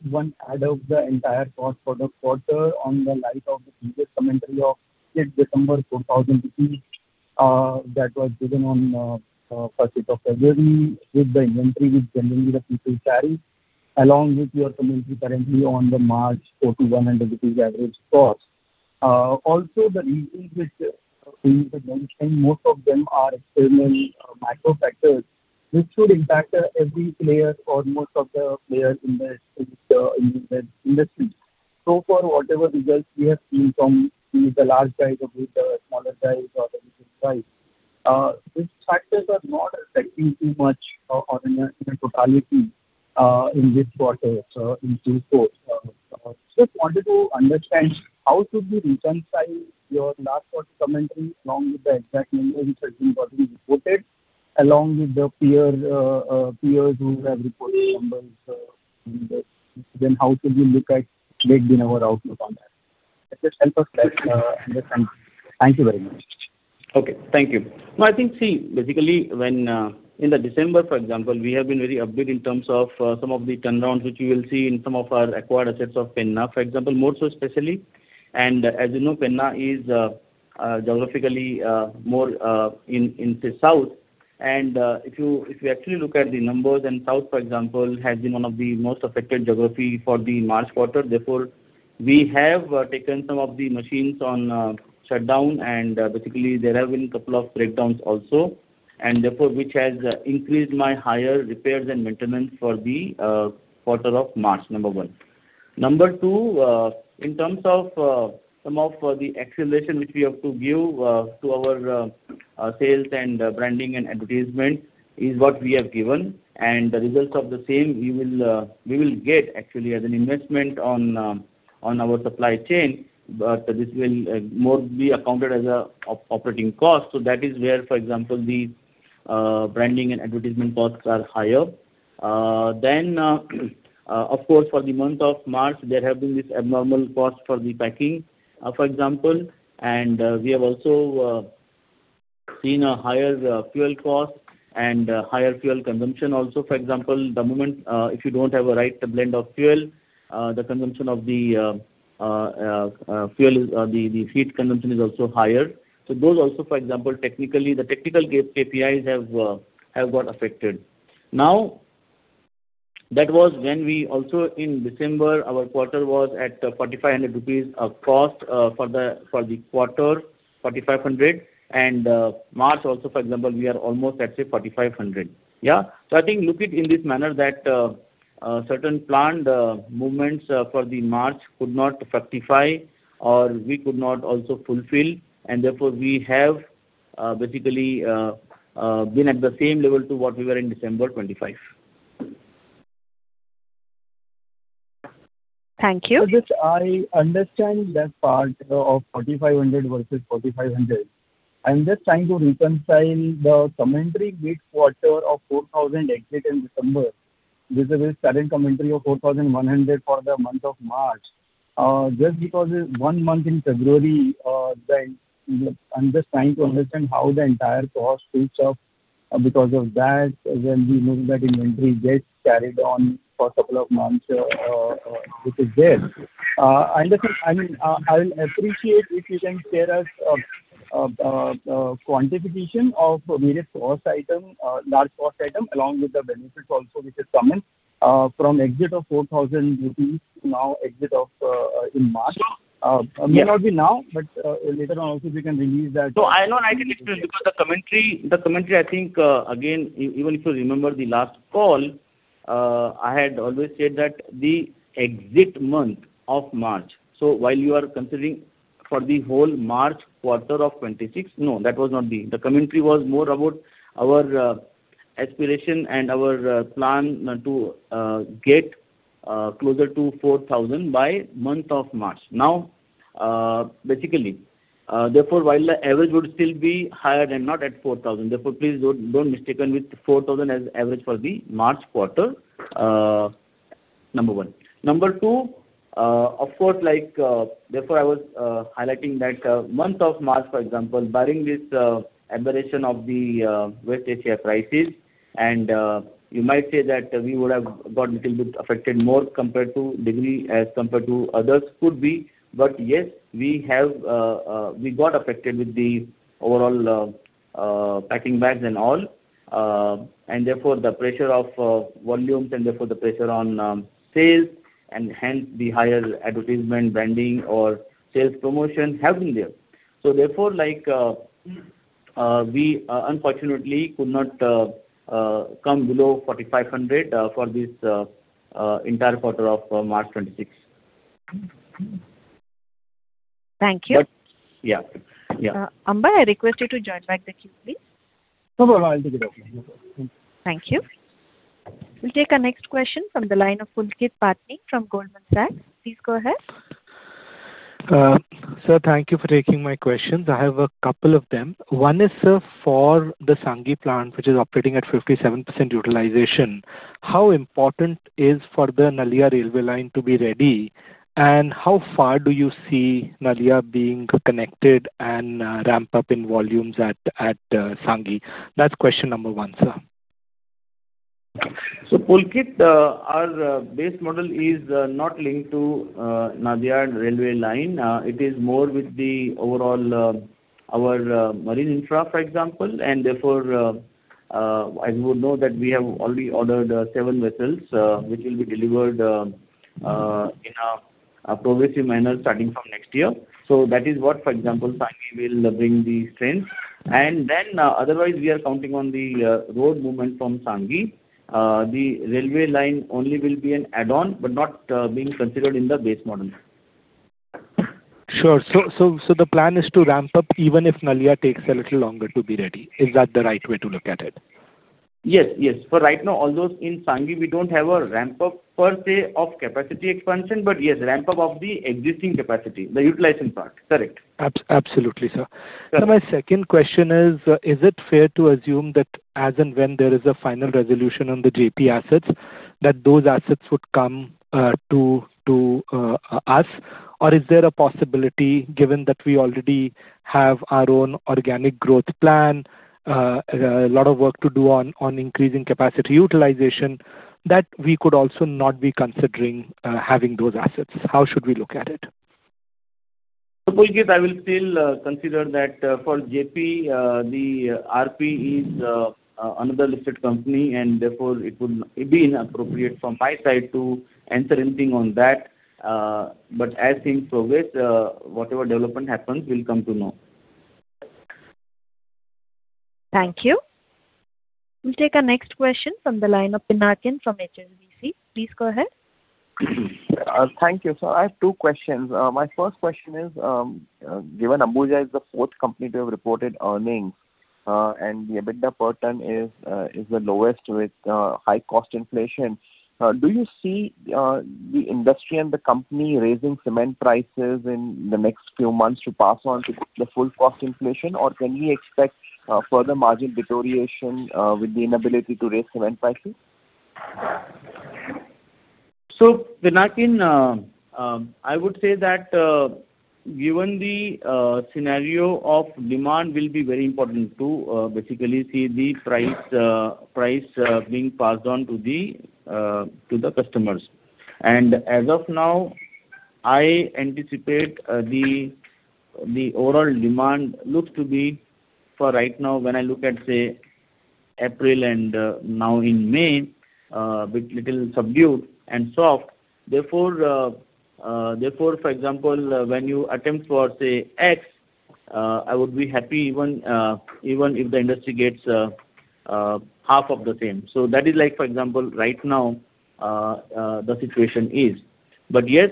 one add up the entire cost for the quarter on the light of the previous commentary of, that was given on first week of February with the inventory which generally the people carry, along with your commentary currently on the March 4,100 average cost. Also the reasons which you mentioned, most of them are external, macro factors which could impact every player or most of the players in the industry. For whatever results we have seen from the large guys or with the smaller guys or the medium guys, these factors are not affecting too much on a, in a totality, in this quarter, so in Q4. Just wanted to understand how should we reconcile your last quarter commentary along with the exact numbers which you have reported, along with the peer peers who have reported numbers, in this. How should we make the number outlook on that? Just help us, like, understand. Thank you very much. Okay. Thank you. No, I think, see, basically when in December, for example, we have been very upbeat in terms of some of the turnarounds which you will see in some of our acquired assets of Penna, for example, more so especially. As you know, Penna is geographically more in say South. If you actually look at the numbers, South, for example, has been one of the most affected geography for the March quarter. Therefore, we have taken some of the machines on shutdown and basically there have been couple of breakdowns also. Therefore, which has increased my higher repairs and maintenance for the quarter of March, number one. Number two, in terms of some of the acceleration which we have to give to our sales and branding and advertisement is what we have given. The results of the same we will get actually as an investment on our supply chain. This will more be accounted as an operating cost. That is where, for example, the branding and advertisement costs are higher. Of course, for the month of March, there have been this abnormal cost for the packing, for example. We have also seen a higher fuel cost and higher fuel consumption also. For example, the moment, if you don't have a right blend of fuel, the consumption of the fuel is, the heat consumption is also higher. Those also, for example, technically, the technical CapEx have got affected. Now, that was when we also in December, our quarter was at 4,500 rupees of cost for the quarter, 4,500. March also, for example, we are almost at, say, 4,500. Yeah. I think look it in this manner that certain planned movements for the March could not fructify or we could not also fulfill. Therefore, we have basically been at the same level to what we were in December 25. Thank you. Sir, just, I understand that part of 4,500 versus 4,500. I'm just trying to reconcile the commentary with quarter of 4,000 exit in December with the, with current commentary of 4,100 for the month of March. Just because it's one month in February, then I'm just trying to understand how the entire cost switched up because of that when we know that inventory gets carried on for couple of months, which is there. I understand. I mean, I will appreciate if you can share us a quantification of various cost item, large cost item along with the benefits also which has come in from exit of 4,000 rupees to now exit in March. Yes. May not be now, but, later on also if you can release. I know, and I can explain because the commentary, the commentary I think, again even if you remember the last call, I had always said that the exit month of March. While you are considering for the whole March quarter of 2026, no, that was not the. The commentary was more about our aspiration and our plan to get closer to 4,000 by month of March. Basically, therefore, while the average would still be higher than not at 4,000, therefore please don't mistaken with 4,000 as average for the March quarter. Number one. Number two, of course, therefore I was highlighting that month of March, for example, barring this aberration of the West Asia prices and you might say that we would have got little bit affected more compared to degree as compared to others could be. Yes, we have, we got affected with the overall packing bags and all. Therefore the pressure of volumes and therefore the pressure on sales and hence the higher advertisement, branding or sales promotion have been there. Therefore, we unfortunately could not come below 4,500 for this entire quarter of March 2026. Thank you. Yeah. Yeah. Amber, I request you to join back the queue, please. No, no, I'll take it up. No problem. Thank you. We'll take our next question from the line of Pulkit Patni from Goldman Sachs. Please go ahead. Sir, thank you for taking my questions. I have a couple of them. One is, sir, for the Sanghi plant, which is operating at 57% utilization. How important is for the Naliya railway line to be ready. And how far do you see Naliya being connected and ramp up in volumes at Sanghi? That's question number one, sir. Pulkit, our base model is not linked to Naliya railway line. It is more with the overall, our marine infra, for example. As you would know that we have already ordered seven vessels, which will be delivered in a progressive manner starting from next year. That is what, for example, Sanghi will bring the strength. Otherwise we are counting on the road movement from Sanghi. The railway line only will be an add-on, but not being considered in the base model. Sure. The plan is to ramp up even if Naliya takes a little longer to be ready. Is that the right way to look at it? Yes. Yes. Right now, although in Sanghi we don't have a ramp up per se of capacity expansion, but yes, ramp up of the existing capacity, the utilization part. Correct. Absolutely, sir. Yeah. Sir, my second question is it fair to assume that as and when there is a final resolution on the JP assets, that those assets would come to us? Or is there a possibility, given that we already have our own organic growth plan, a lot of work to do on increasing capacity utilization, that we could also not be considering having those assets? How should we look at it? Pulkit, I will still consider that for JP, the RP is another listed company and therefore it would be inappropriate from my side to answer anything on that. As things progress, whatever development happens, we'll come to know. Thank you. We'll take our next question from the line of Pinakin from HSBC. Please go ahead. Thank you. Sir, I have two questions. My first question is, given Ambuja is the fourth company to have reported earnings, and the EBITDA per ton is the lowest with high cost inflation, do you see the industry and the company raising cement prices in the next few months to pass on to the full cost inflation? Or can we expect further margin deterioration with the inability to raise cement prices? Pinakin, I would say that, given the scenario of demand will be very important to basically see the price being passed on to the customers. As of now, I anticipate the overall demand looks to be for right now when I look at, say, April and now in May, bit little subdued and soft. Therefore, for example, when you attempt for, say, X, I would be happy even if the industry gets half of the same. That is like, for example, right now, the situation is. Yes,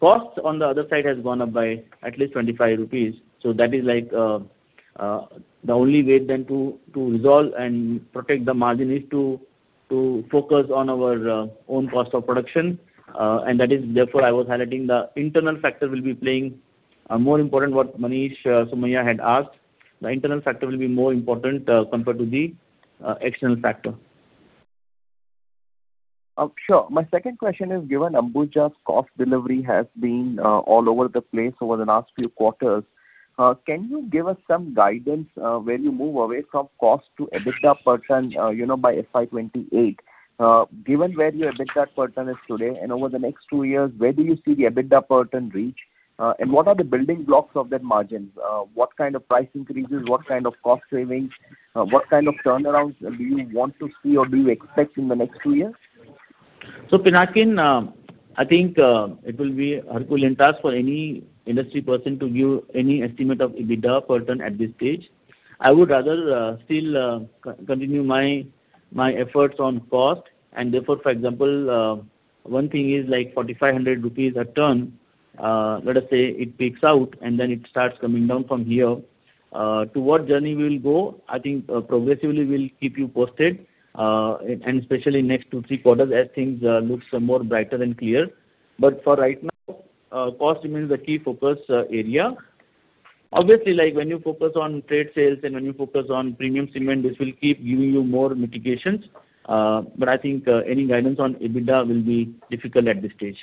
cost on the other side has gone up by at least 25 rupees. That is like, the only way to resolve and protect the margin is to focus on our own cost of production. That is therefore I was highlighting the internal factor will be playing a more important what Manish Somaiya had asked. The internal factor will be more important compared to the external factor. Sure. My second question is given Ambuja's cost delivery has been all over the place over the last few quarters, can you give us some guidance where you move away from cost to EBITDA per ton by FY 2028? Given where your EBITDA per ton is today and over the next two years, where do you see the EBITDA per ton reach? What are the building blocks of that margin? What kind of price increases? What kind of cost savings? What kind of turnarounds do you want to see or do you expect in the next two years? Pinakin, I think it will be herculean task for any industry person to give any estimate of EBITDA per ton at this stage. I would rather still continue my efforts on cost and therefore for example, one thing is like 4,500 rupees a ton, let us say it peaks out and then it starts coming down from here. Toward journey we will go, I think, progressively we'll keep you posted. And especially next two, three quarters as things look some more brighter and clear. For right now, cost remains the key focus area. Obviously, like when you focus on trade sales and when you focus on premium cement, this will keep giving you more mitigations. I think any guidance on EBITDA will be difficult at this stage.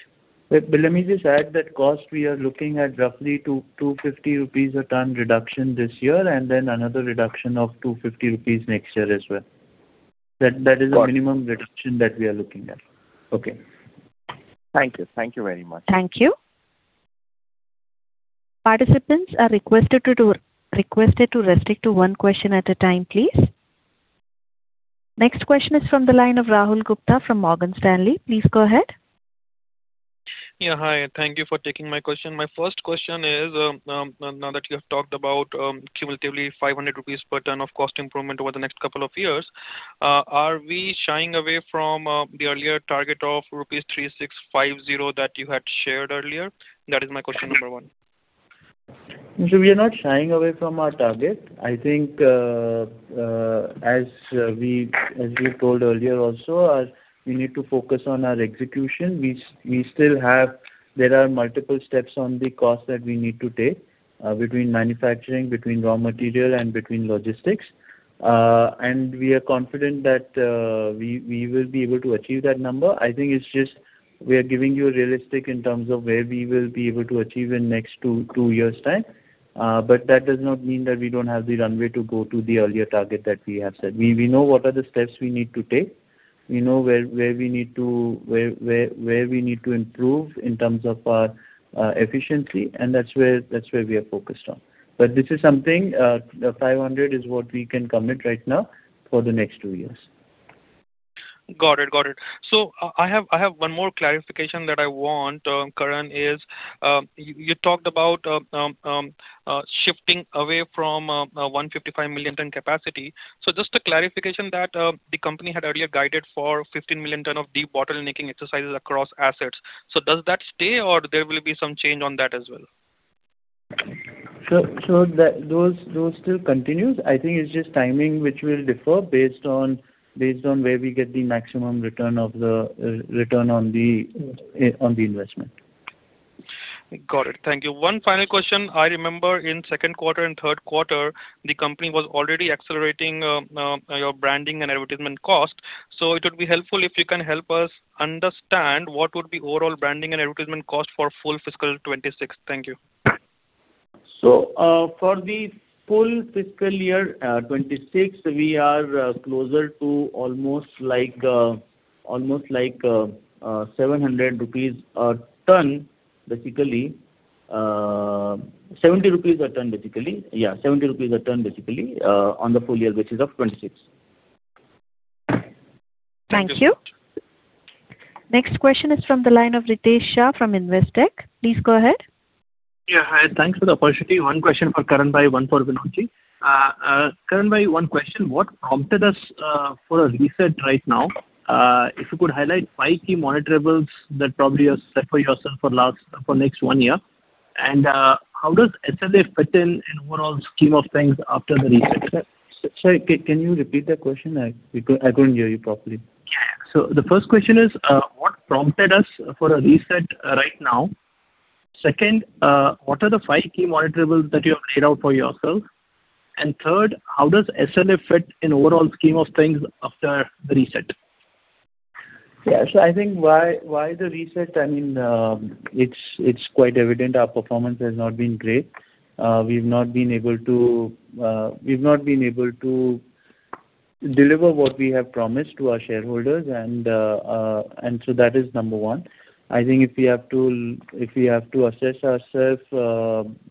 Let me just add that cost we are looking at roughly 250 rupees a ton reduction this year and then another reduction of 250 rupees next year as well. That is the minimum reduction that we are looking at. Okay. Thank you. Thank you very much. Thank you. Participants are requested to restrict to one question at a time, please. Next question is from the line of Rahul Gupta from Morgan Stanley. Please go ahead. Yeah, hi. Thank you for taking my question. My first question is, now that you have talked about cumulatively 500 rupees per ton of cost improvement over the next couple of years, are we shying away from the earlier target of rupees 3,650 that you had shared earlier? That is my question number one. We are not shying away from our target. I think, as we told earlier also, we need to focus on our execution. We still have multiple steps on the cost that we need to take between manufacturing, between raw material and between logistics. We are confident that we will be able to achieve that number. I think it's just we are giving you a realistic in terms of where we will be able to achieve in next two years' time. That does not mean that we don't have the runway to go to the earlier target that we have set. We know what are the steps we need to take. We know where we need to improve in terms of our efficiency, and that's where we are focused on. This is something, 500 is what we can commit right now for the next two years. Got it. Got it. I have one more clarification that I want, Karan, is you talked about shifting away from a 155 million ton capacity. Just a clarification that the company had earlier guided for 15 million ton of de-bottlenecking exercises across assets. Does that stay or there will be some change on that as well? Those still continues. I think it's just timing which will differ based on where we get the maximum return of the return on the investment. Got it. Thank you. One final question. I remember in second quarter and third quarter, the company was already accelerating your branding and advertisement cost. It would be helpful if you can help us understand what would be overall branding and advertisement cost for full fiscal 2026. Thank you. For the full fiscal year 2026, we are closer to almost like 700 rupees a ton, basically. 70 rupees a ton, basically, on the full year basis of 2026. Thank you. Next question is from the line of Ritesh Shah from Investec. Please go ahead. Yeah, hi. Thanks for the opportunity. One question for Karan Adani, one for Vinod Bahety. Karan Adani, one question. What prompted us for a reset right now? If you could highlight five key monitorables that probably you have set for yourself for next one year. How does SNF fit in overall scheme of things after the reset? Sorry, can you repeat the question? I couldn't hear you properly. Yeah. The first question is, what prompted us for a reset right now? Second, what are the five key monitorables that you have laid out for yourself? Third, how does SNF fit in overall scheme of things after the reset? I think why the reset, I mean, it's quite evident our performance has not been great. We've not been able to deliver what we have promised to our shareholders and that is number one. I think if we have to assess ourself,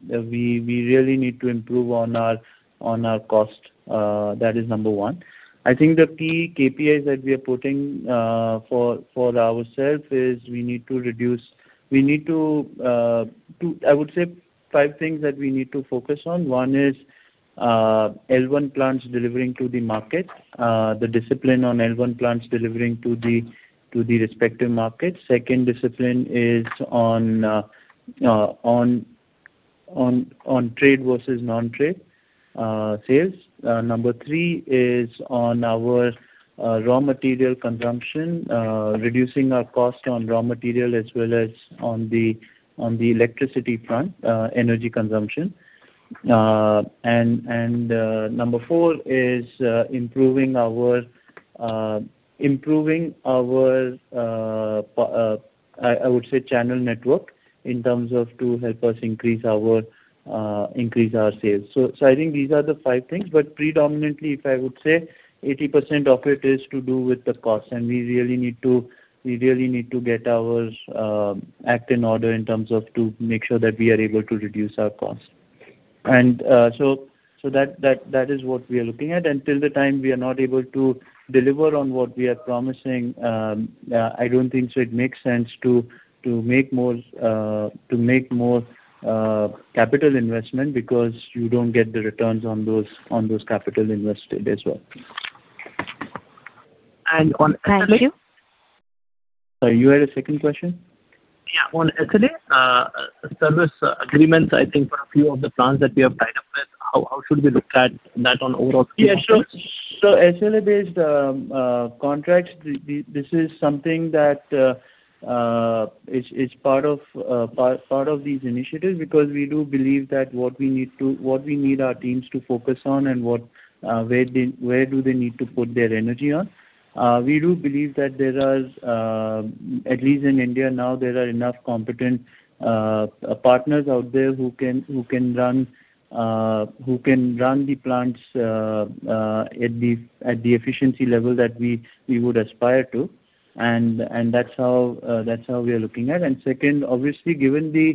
we really need to improve on our cost. That is number one. I think the key KPIs that we are putting for ourself is we need to, I would say five things that we need to focus on. One is, L1 plants delivering to the market. The discipline on L1 plants delivering to the respective markets. Second, discipline is on trade versus non-trade sales. Number three is on our raw material consumption, reducing our cost on raw material as well as on the electricity front, energy consumption. Number four is improving our I would say channel network in terms of to help us increase our sales. I think these are the five things, but predominantly if I would say 80% of it is to do with the cost. We really need to get our act in order in terms of to make sure that we are able to reduce our cost. That is what we are looking at. Until the time we are not able to deliver on what we are promising, I don't think so it makes sense to make more capital investment because you don't get the returns on those capital invested as well. Thank you. Sorry, you had a second question? Yeah. On SLA, service agreements, I think for a few of the plants that we have tied up with, how should we look at that on overall. Yeah, sure. SLA-based contracts, this is something that is part of these initiatives because we do believe that what we need our teams to focus on and what, where do they need to put their energy on. We do believe that there is, at least in India now there are enough competent partners out there who can run the plants at the efficiency level that we would aspire to and that's how that's how we are looking at. Second, obviously given the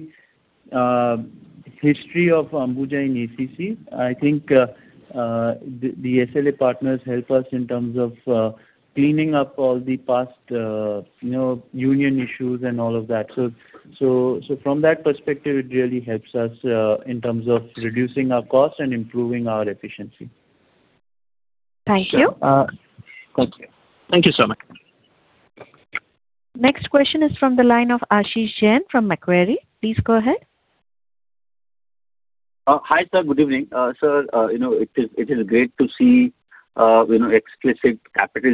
history of Ambuja in ACC, I think, the SLA partners help us in terms of cleaning up all the past, you know, union issues and all of that. From that perspective it really helps us in terms of reducing our cost and improving our efficiency. Thank you. Thank you. Thank you so much. Next question is from the line of Ashish Jain from Macquarie. Please go ahead. Hi, sir. Good evening. Sir, you know, it is, it is great to see, you know, explicit capital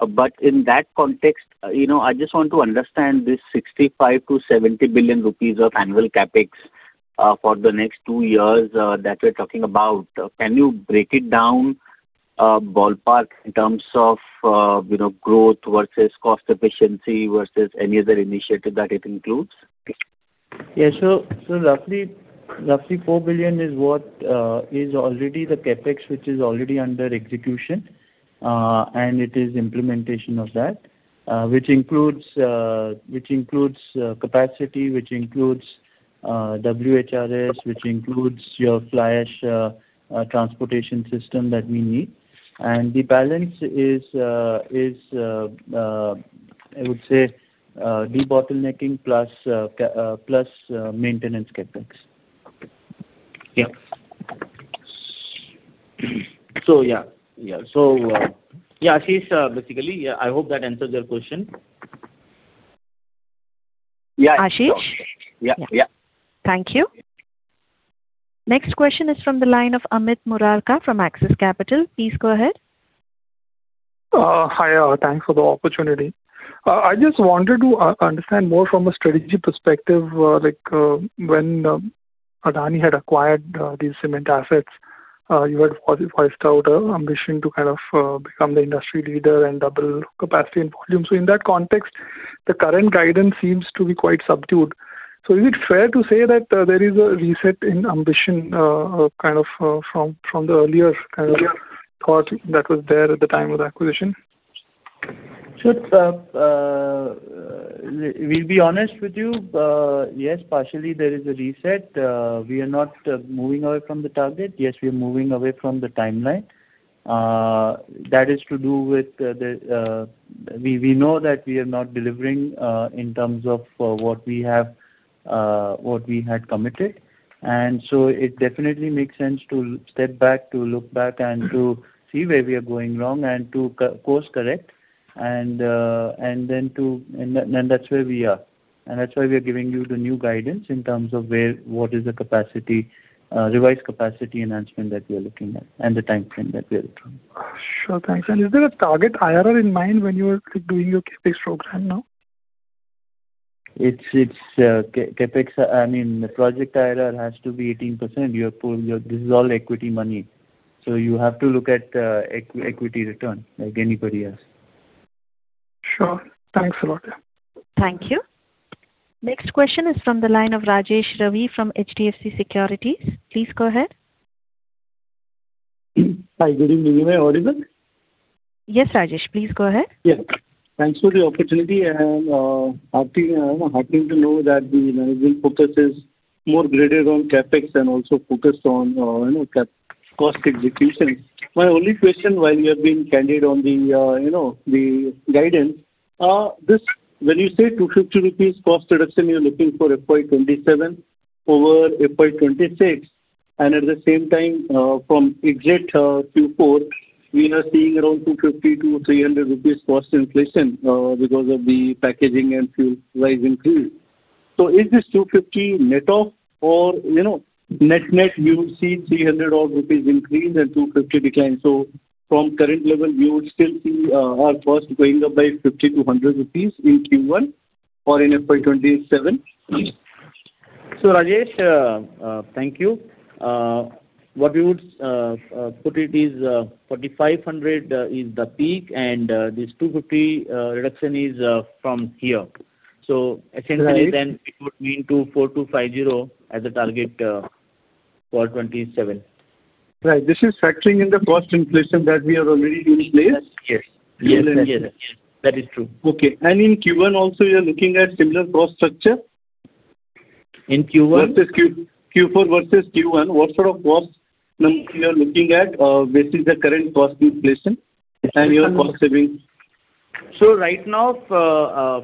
discipline. In that context, you know, I just want to understand this 65 billion-70 billion rupees of annual CapEx for the next two years that we're talking about. Can you break it down, ballpark in terms of, you know, growth versus cost efficiency versus any other initiative that it includes? Yeah. Roughly, 4 billion is what is already the CapEx which is already under execution. It is implementation of that which includes capacity, which includes WHRS, which includes your fly ash transportation system that we need. The balance is, I would say, debottlenecking plus maintenance CapEx. Yeah. Yeah, Ashish, basically, yeah, I hope that answers your question. Yeah. Ashish? Yeah. Yeah. Thank you. Next question is from the line of Amit Murarka from Axis Capital. Please go ahead. Hi, thanks for the opportunity. I just wanted to understand more from a strategy perspective, like, when Adani had acquired these cement assets, you had voiced out an ambition to kind of become the industry leader and double capacity and volume. In that context, the current guidance seems to be quite subdued. Is it fair to say that there is a reset in ambition, kind of, from the earlier kind of- Yeah thought that was there at the time of acquisition? Sure, we'll be honest with you. Yes, partially there is a reset. We are not moving away from the target. Yes, we are moving away from the timeline. That is to do with the, we know that we are not delivering, in terms of, what we have, what we had committed. It definitely makes sense to step back, to look back and to see where we are going wrong and to course correct. That's where we are. That's why we are giving you the new guidance in terms of where, what is the capacity, revised capacity enhancement that we are looking at and the timeframe that we are looking. Sure. Thanks. Is there a target IRR in mind when you are doing your CapEx program now? It's CapEx, I mean, the project IRR has to be 18%. This is all equity money, so you have to look at equity return like anybody else. Sure. Thanks a lot. Thank you. Next question is from the line of Rajesh Ravi from HDFC Securities. Please go ahead. Hi, good evening. Am I audible? Yes, Rajesh, please go ahead. Yeah. Thanks for the opportunity and happy to know that the management focus is more graded on CapEx and also focused on, you know, cost execution. My only question while you have been candid on the, you know, the guidance, this when you say 250 rupees cost reduction you're looking for FY 2027 over FY 2026. At the same time, from exit Q4, we are seeing around 250-300 rupees cost inflation because of the packaging and fuel price increase. Is this 250 net of or, you know, net you would see 300 rupees odd increase and 250 decline. From current level you would still see our cost going up by 50-100 rupees in Q1? Or in FY 2027? Rajesh, thank you. What we would put it is 4,500 is the peak and this 250 reduction is from here. Right. It would mean to 4,250 as a target for 2027. Right. This is factoring in the cost inflation that we have already in place? Yes. Yes. That is true. Okay. In Q1 also you are looking at similar cost structure? In Q1? Versus Q4 versus Q1, what sort of cost number you are looking at, based on the current cost inflation and your cost savings? Right now,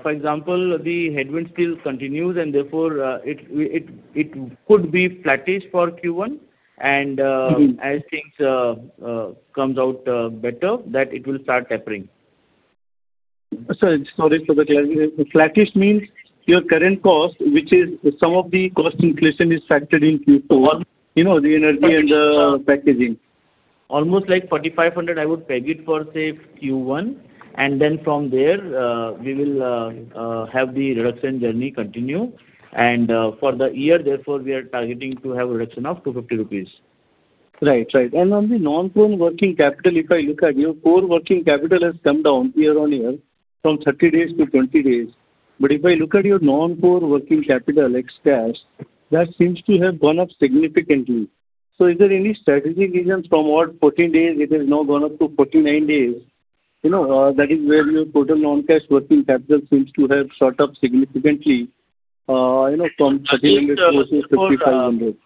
for example, the headwind still continues and therefore, it could be flattish for Q1. Mm-hmm. -as things, comes out, better that it will start tapering. Sorry for the clarity. Flattish means your current cost, which is some of the cost inflation is factored in Q4. You know, the energy and packaging. Almost like 4,500 I would peg it for, say, Q1. Then from there, we will have the reduction journey continue. For the year therefore we are targeting to have a reduction of 250 rupees. Right. Right. On the non-core working capital, if I look at your core working capital has come down year-on-year from 30 days to 20 days. If I look at your non-core working capital, ex cash, that seems to have gone up significantly. Is there any strategic reason from what 14 days it has now gone up to 49 days? You know, that is where your total non-cash working capital seems to have shot up significantly, you know, from 1,300 gross to 5,500.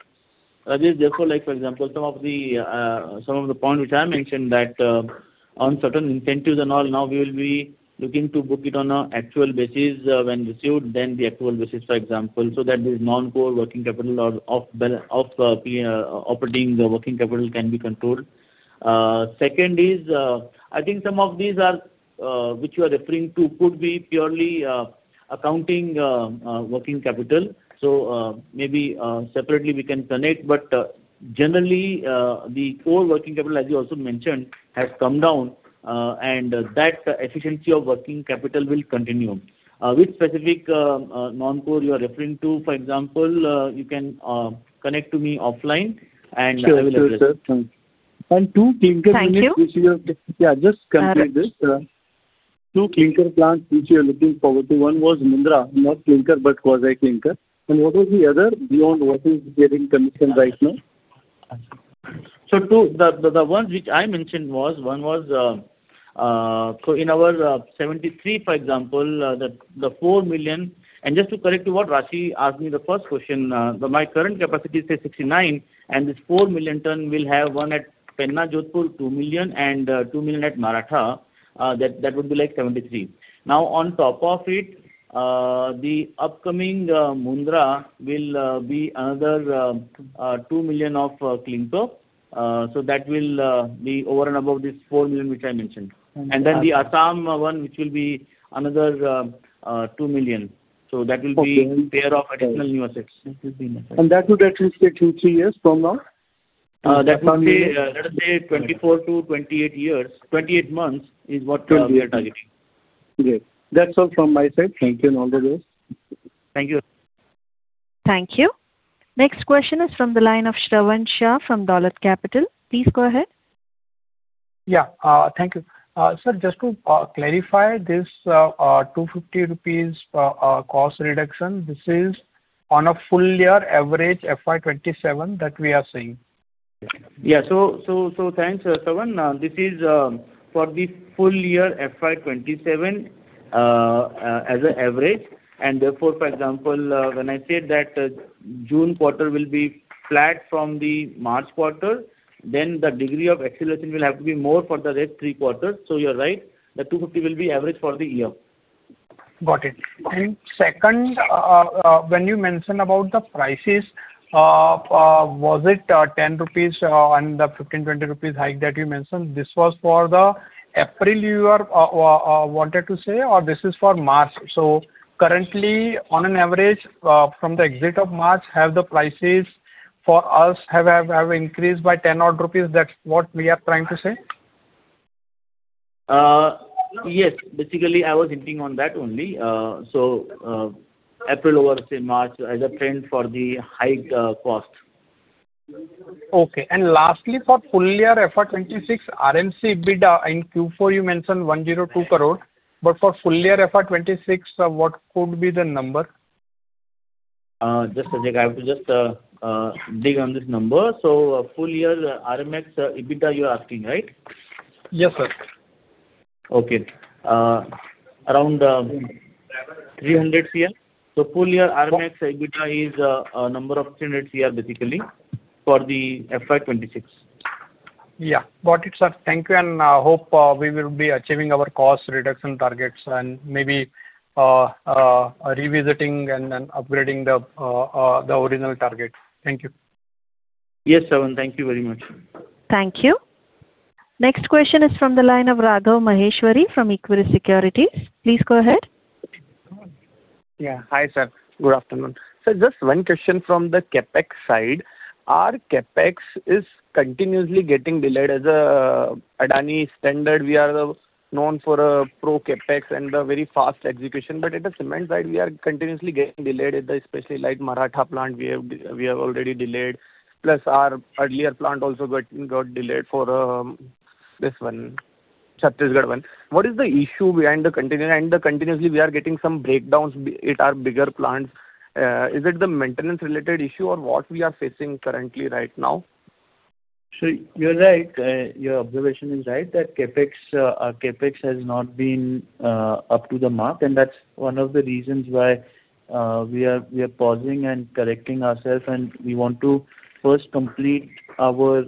Rajesh, like for example, some of the points which I mentioned that on certain incentives and all, now we will be looking to book it on an actual basis when received than the actual basis, for example. That this non-core working capital or off operating working capital can be controlled. Second is, I think some of these are which you are referring to could be purely accounting working capital. Maybe, separately we can connect, but generally, the core working capital, as you also mentioned, has come down, and that efficiency of working capital will continue. Which specific non-core you are referring to, for example, you can connect to me offline and I will address. Sure. Sure, sir. Thanks. And two clinker units... Thank you. Yeah, just need to take this. The two clinker plants which you are looking forward to. One was Mundra, not clinker but quasi-clinker. What was the other beyond what is getting commissioned right now? The ones which I mentioned was, one was. In our 73, for example, the 4 million. Just to correct to what Raashi asked me the first question, my current capacity is say 69, and this 4 million tons will have 1 at Penna, Jodhpur 2 million, and 2 million at Maratha. That would be like 73. On top of it, the upcoming Mundra will be another 2 million of clinker. That will be over and above this 4 million which I mentioned. Okay. Then the Assam one which will be another, 2 million. That will be Okay. -pair of additional new assets. That would at least take you three years from now? Let's say 24-28 years. 28 months is what we are targeting. Great. That's all from my side. Thank you and all the best. Thank you. Thank you. Next question is from the line of Shravan Shah from Dolat Capital. Please go ahead. Thank you. Sir, just to clarify this, 250 rupees cost reduction, this is on a full year average FY 2027 that we are seeing? Thanks, Shravan. This is for the full year FY 2027 as a average. Therefore, for example, when I said that June quarter will be flat from the March quarter, then the degree of acceleration will have to be more for the rest three quarters. You are right. The 250 will be average for the year. Got it. Second, when you mentioned about the prices, was it 10 rupees, and the 15-20 rupees hike that you mentioned, this was for the April you are wanted to say or this is for March? So currently on an average, from the exit of March, have the prices for us have increased by 10 rupees odd? That's what we are trying to say. Yes. Basically, I was hinting on that only. April over, say, March as a trend for the hike, cost. Okay. Lastly, for full year FY 2026, RMC EBITDA in Q4 you mentioned 102 crore, but for full year FY 2026, what could be the number? Just a sec. I have to just dig on this number. Full year RMC EBITDA you're asking, right? Yes, sir. Okay. around INR 300 Cr. Full year RMX EBITDA is a number of INR 300 Cr basically for the FY 2026. Yeah. Got it, sir. Thank you. Hope we will be achieving our cost reduction targets and maybe revisiting and then upgrading the original target. Thank you. Yes, Shravan. Thank you very much. Thank you. Next question is from the line of Raghav Maheshwari from Equirus Securities. Please go ahead. Hi, sir. Good afternoon. Just one question from the CapEx side. Our CapEx is continuously getting delayed. As Adani standard, we are known for pro CapEx and a very fast execution. At the cement side, we are continuously getting delayed at the, especially like Maratha plant we have already delayed, plus our earlier plant also got delayed for this one, Chhattisgarh one. What is the issue behind the continuing delays? Continuously we are getting some breakdowns at our bigger plants. Is it the maintenance related issue or what we are facing currently right now? You're right. Your observation is right that CapEx, our CapEx has not been up to the mark, and that's one of the reasons why we are pausing and correcting ourselves. We want to first complete our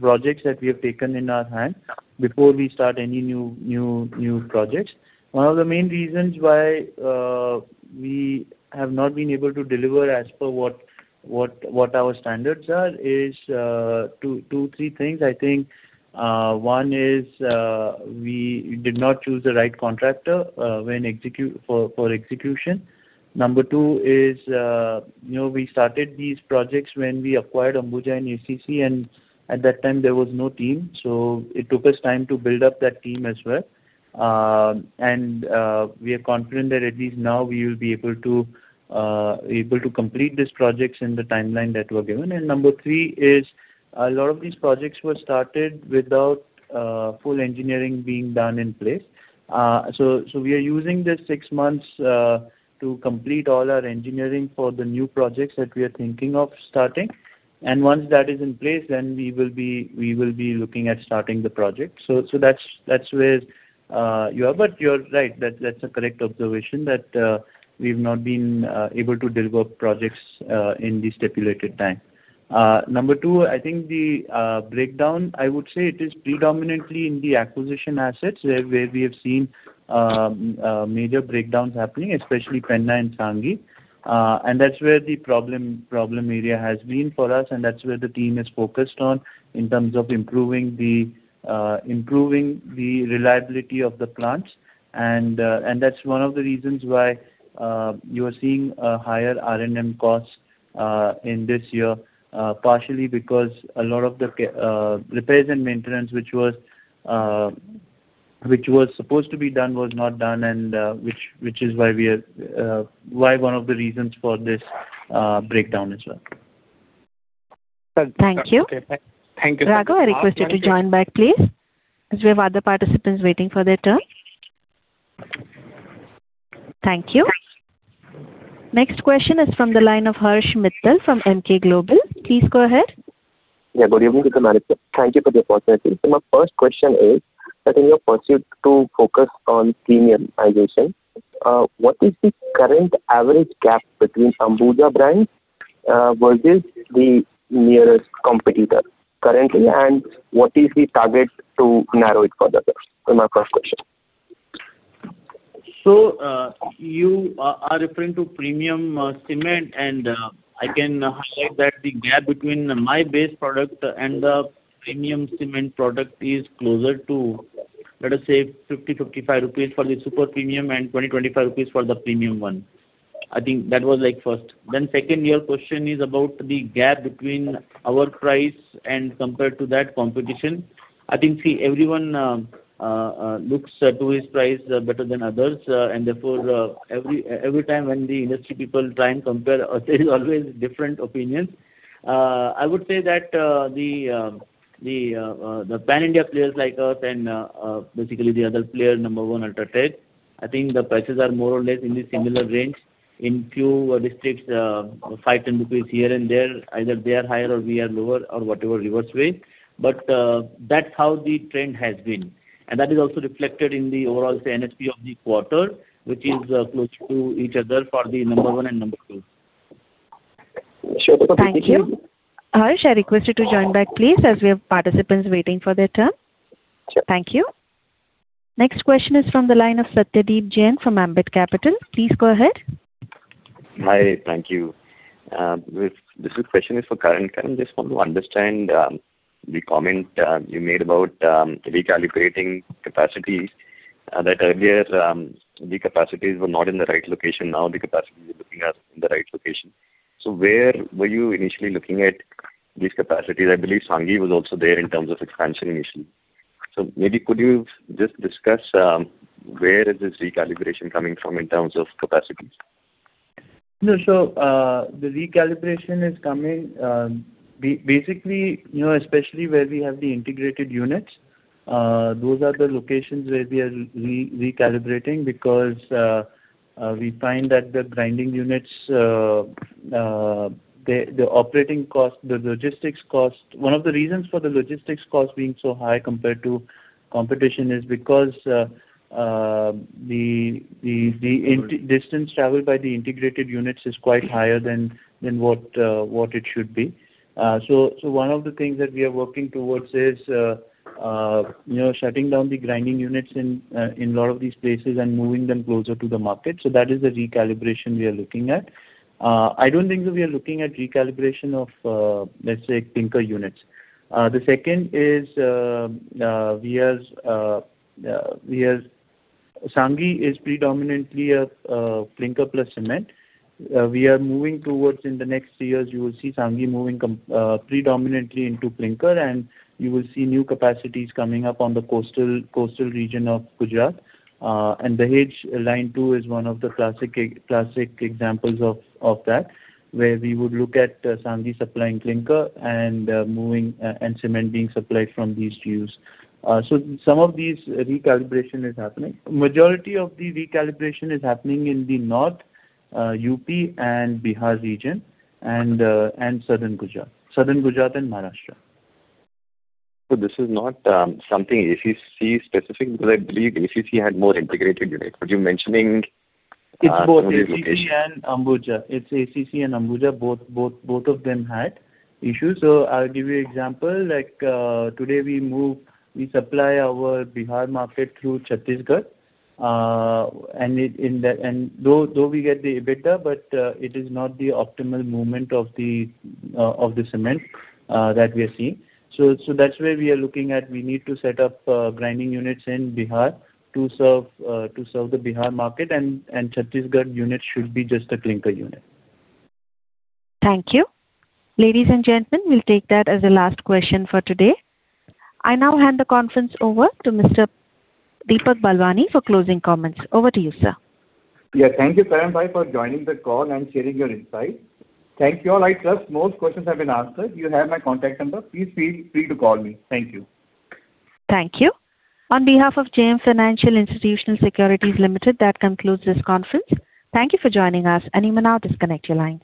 projects that we have taken in our hand before we start any new projects. One of the main reasons why we have not been able to deliver as per what our standards are is two, three things. I think one is we did not choose the right contractor for execution. Number two is, you know, we started these projects when we acquired Ambuja and ACC, and at that time there was no team. It took us time to build up that team as well. We are confident that at least now we will be able to complete these projects in the timeline that were given. Number three is a lot of these projects were started without full engineering being done in place. We are using this six months to complete all our engineering for the new projects that we are thinking of starting. Once that is in place, we will be looking at starting the project. That's where you are. You're right. That's a correct observation that we've not been able to deliver projects in the stipulated time. Number two, I think the breakdown, I would say it is predominantly in the acquisition assets where we have seen major breakdowns happening, especially Penna and Sanghi. That's where the problem area has been for us, and that's where the team is focused on in terms of improving the reliability of the plants. That's one of the reasons why you are seeing a higher R&M costs in this year. Partially because a lot of the repairs and maintenance which was supposed to be done was not done and which is why we are why one of the reasons for this breakdown as well. Sir, thank you. Thank you. Thank you. Raghav, I request you to join back, please, as we have other participants waiting for their turn. Thank you. Next question is from the line of Harsh Mittal from Emkay Global. Please go ahead. Good evening to the management. Thank you for the opportunity. My first question is that in your pursuit to focus on premiumization, what is the current average gap between Ambuja brands versus the nearest competitor currently, and what is the target to narrow it further? You are referring to premium cement and I can highlight that the gap between my base product and the premium cement product is closer to, let us say 50-55 rupees for the super premium and 20 rupees, INR 25 for the premium one. I think that was like first. Second, your question is about the gap between our price and compared to that competition. I think, see, everyone looks at to his price better than others. Therefore, every time when the industry people try and compare us there is always different opinions. I would say that the pan-India players like us and basically the other player, number one UltraTech, I think the prices are more or less in the similar range. In few districts, 5, 10 rupees here and there, either they are higher or we are lower or whatever reverse way. That's how the trend has been. That is also reflected in the overall, say, NSP of the quarter, which is close to each other for the number one and number two. Sure. Thank you. Harsh, I request you to join back, please, as we have participants waiting for their turn. Sure. Thank you. Next question is from the line of Satyadeep Jain from Ambit Capital. Please go ahead. Hi. Thank you. This question is for Karan. Karan, just want to understand the comment you made about recalibrating capacities that earlier the capacities were not in the right location. Now the capacities you're looking at in the right location. Where were you initially looking at these capacities? I believe Sanghi was also there in terms of expansion initially. Maybe could you just discuss where is this recalibration coming from in terms of capacities? No. The recalibration is coming, basically, you know, especially where we have the integrated units. Those are the locations where we are recalibrating because we find that the grinding units, the operating cost, the logistics cost. One of the reasons for the logistics cost being so high compared to competition is because the distance traveled by the integrated units is quite higher than what it should be. One of the things that we are working towards is, you know, shutting down the grinding units in a lot of these places and moving them closer to the market. That is the recalibration we are looking at. I don't think that we are looking at recalibration of, let's say, clinker units. The second is, we as Sanghi is predominantly a clinker plus cement. We are moving towards in the next three years, you will see Sanghi moving predominantly into clinker, and you will see new capacities coming up on the coastal region of Gujarat. Dahej Line 2 is one of the classic examples of that, where we would look at Sanghi supplying clinker and moving and cement being supplied from these two. Some of these recalibration is happening. Majority of the recalibration is happening in the North, U.P. and Bihar region and Southern Gujarat and Maharashtra. This is not something ACC specific, because I believe ACC had more integrated units. Would you mentioning some of these locations? It's both ACC and Ambuja. It's ACC and Ambuja, both of them had issues. I'll give you example, like, today we move, we supply our Bihar market through Chhattisgarh. Though we get the EBITDA, but it is not the optimal movement of the cement that we are seeing. That's where we are looking at we need to set up grinding units in Bihar to serve to serve the Bihar market, and Chhattisgarh unit should be just a clinker unit. Thank you. Ladies and gentlemen, we'll take that as the last question for today. I now hand the conference over to Mr. Deepak Balwani for closing comments. Over to you, sir. Yeah, thank you, Karan bhai, for joining the call and sharing your insight. Thank you all. I trust most questions have been answered. You have my contact number. Please feel free to call me. Thank you. Thank you. On behalf of JM Financial Institutional Securities Limited, that concludes this conference. Thank you for joining us, and you may now disconnect your line.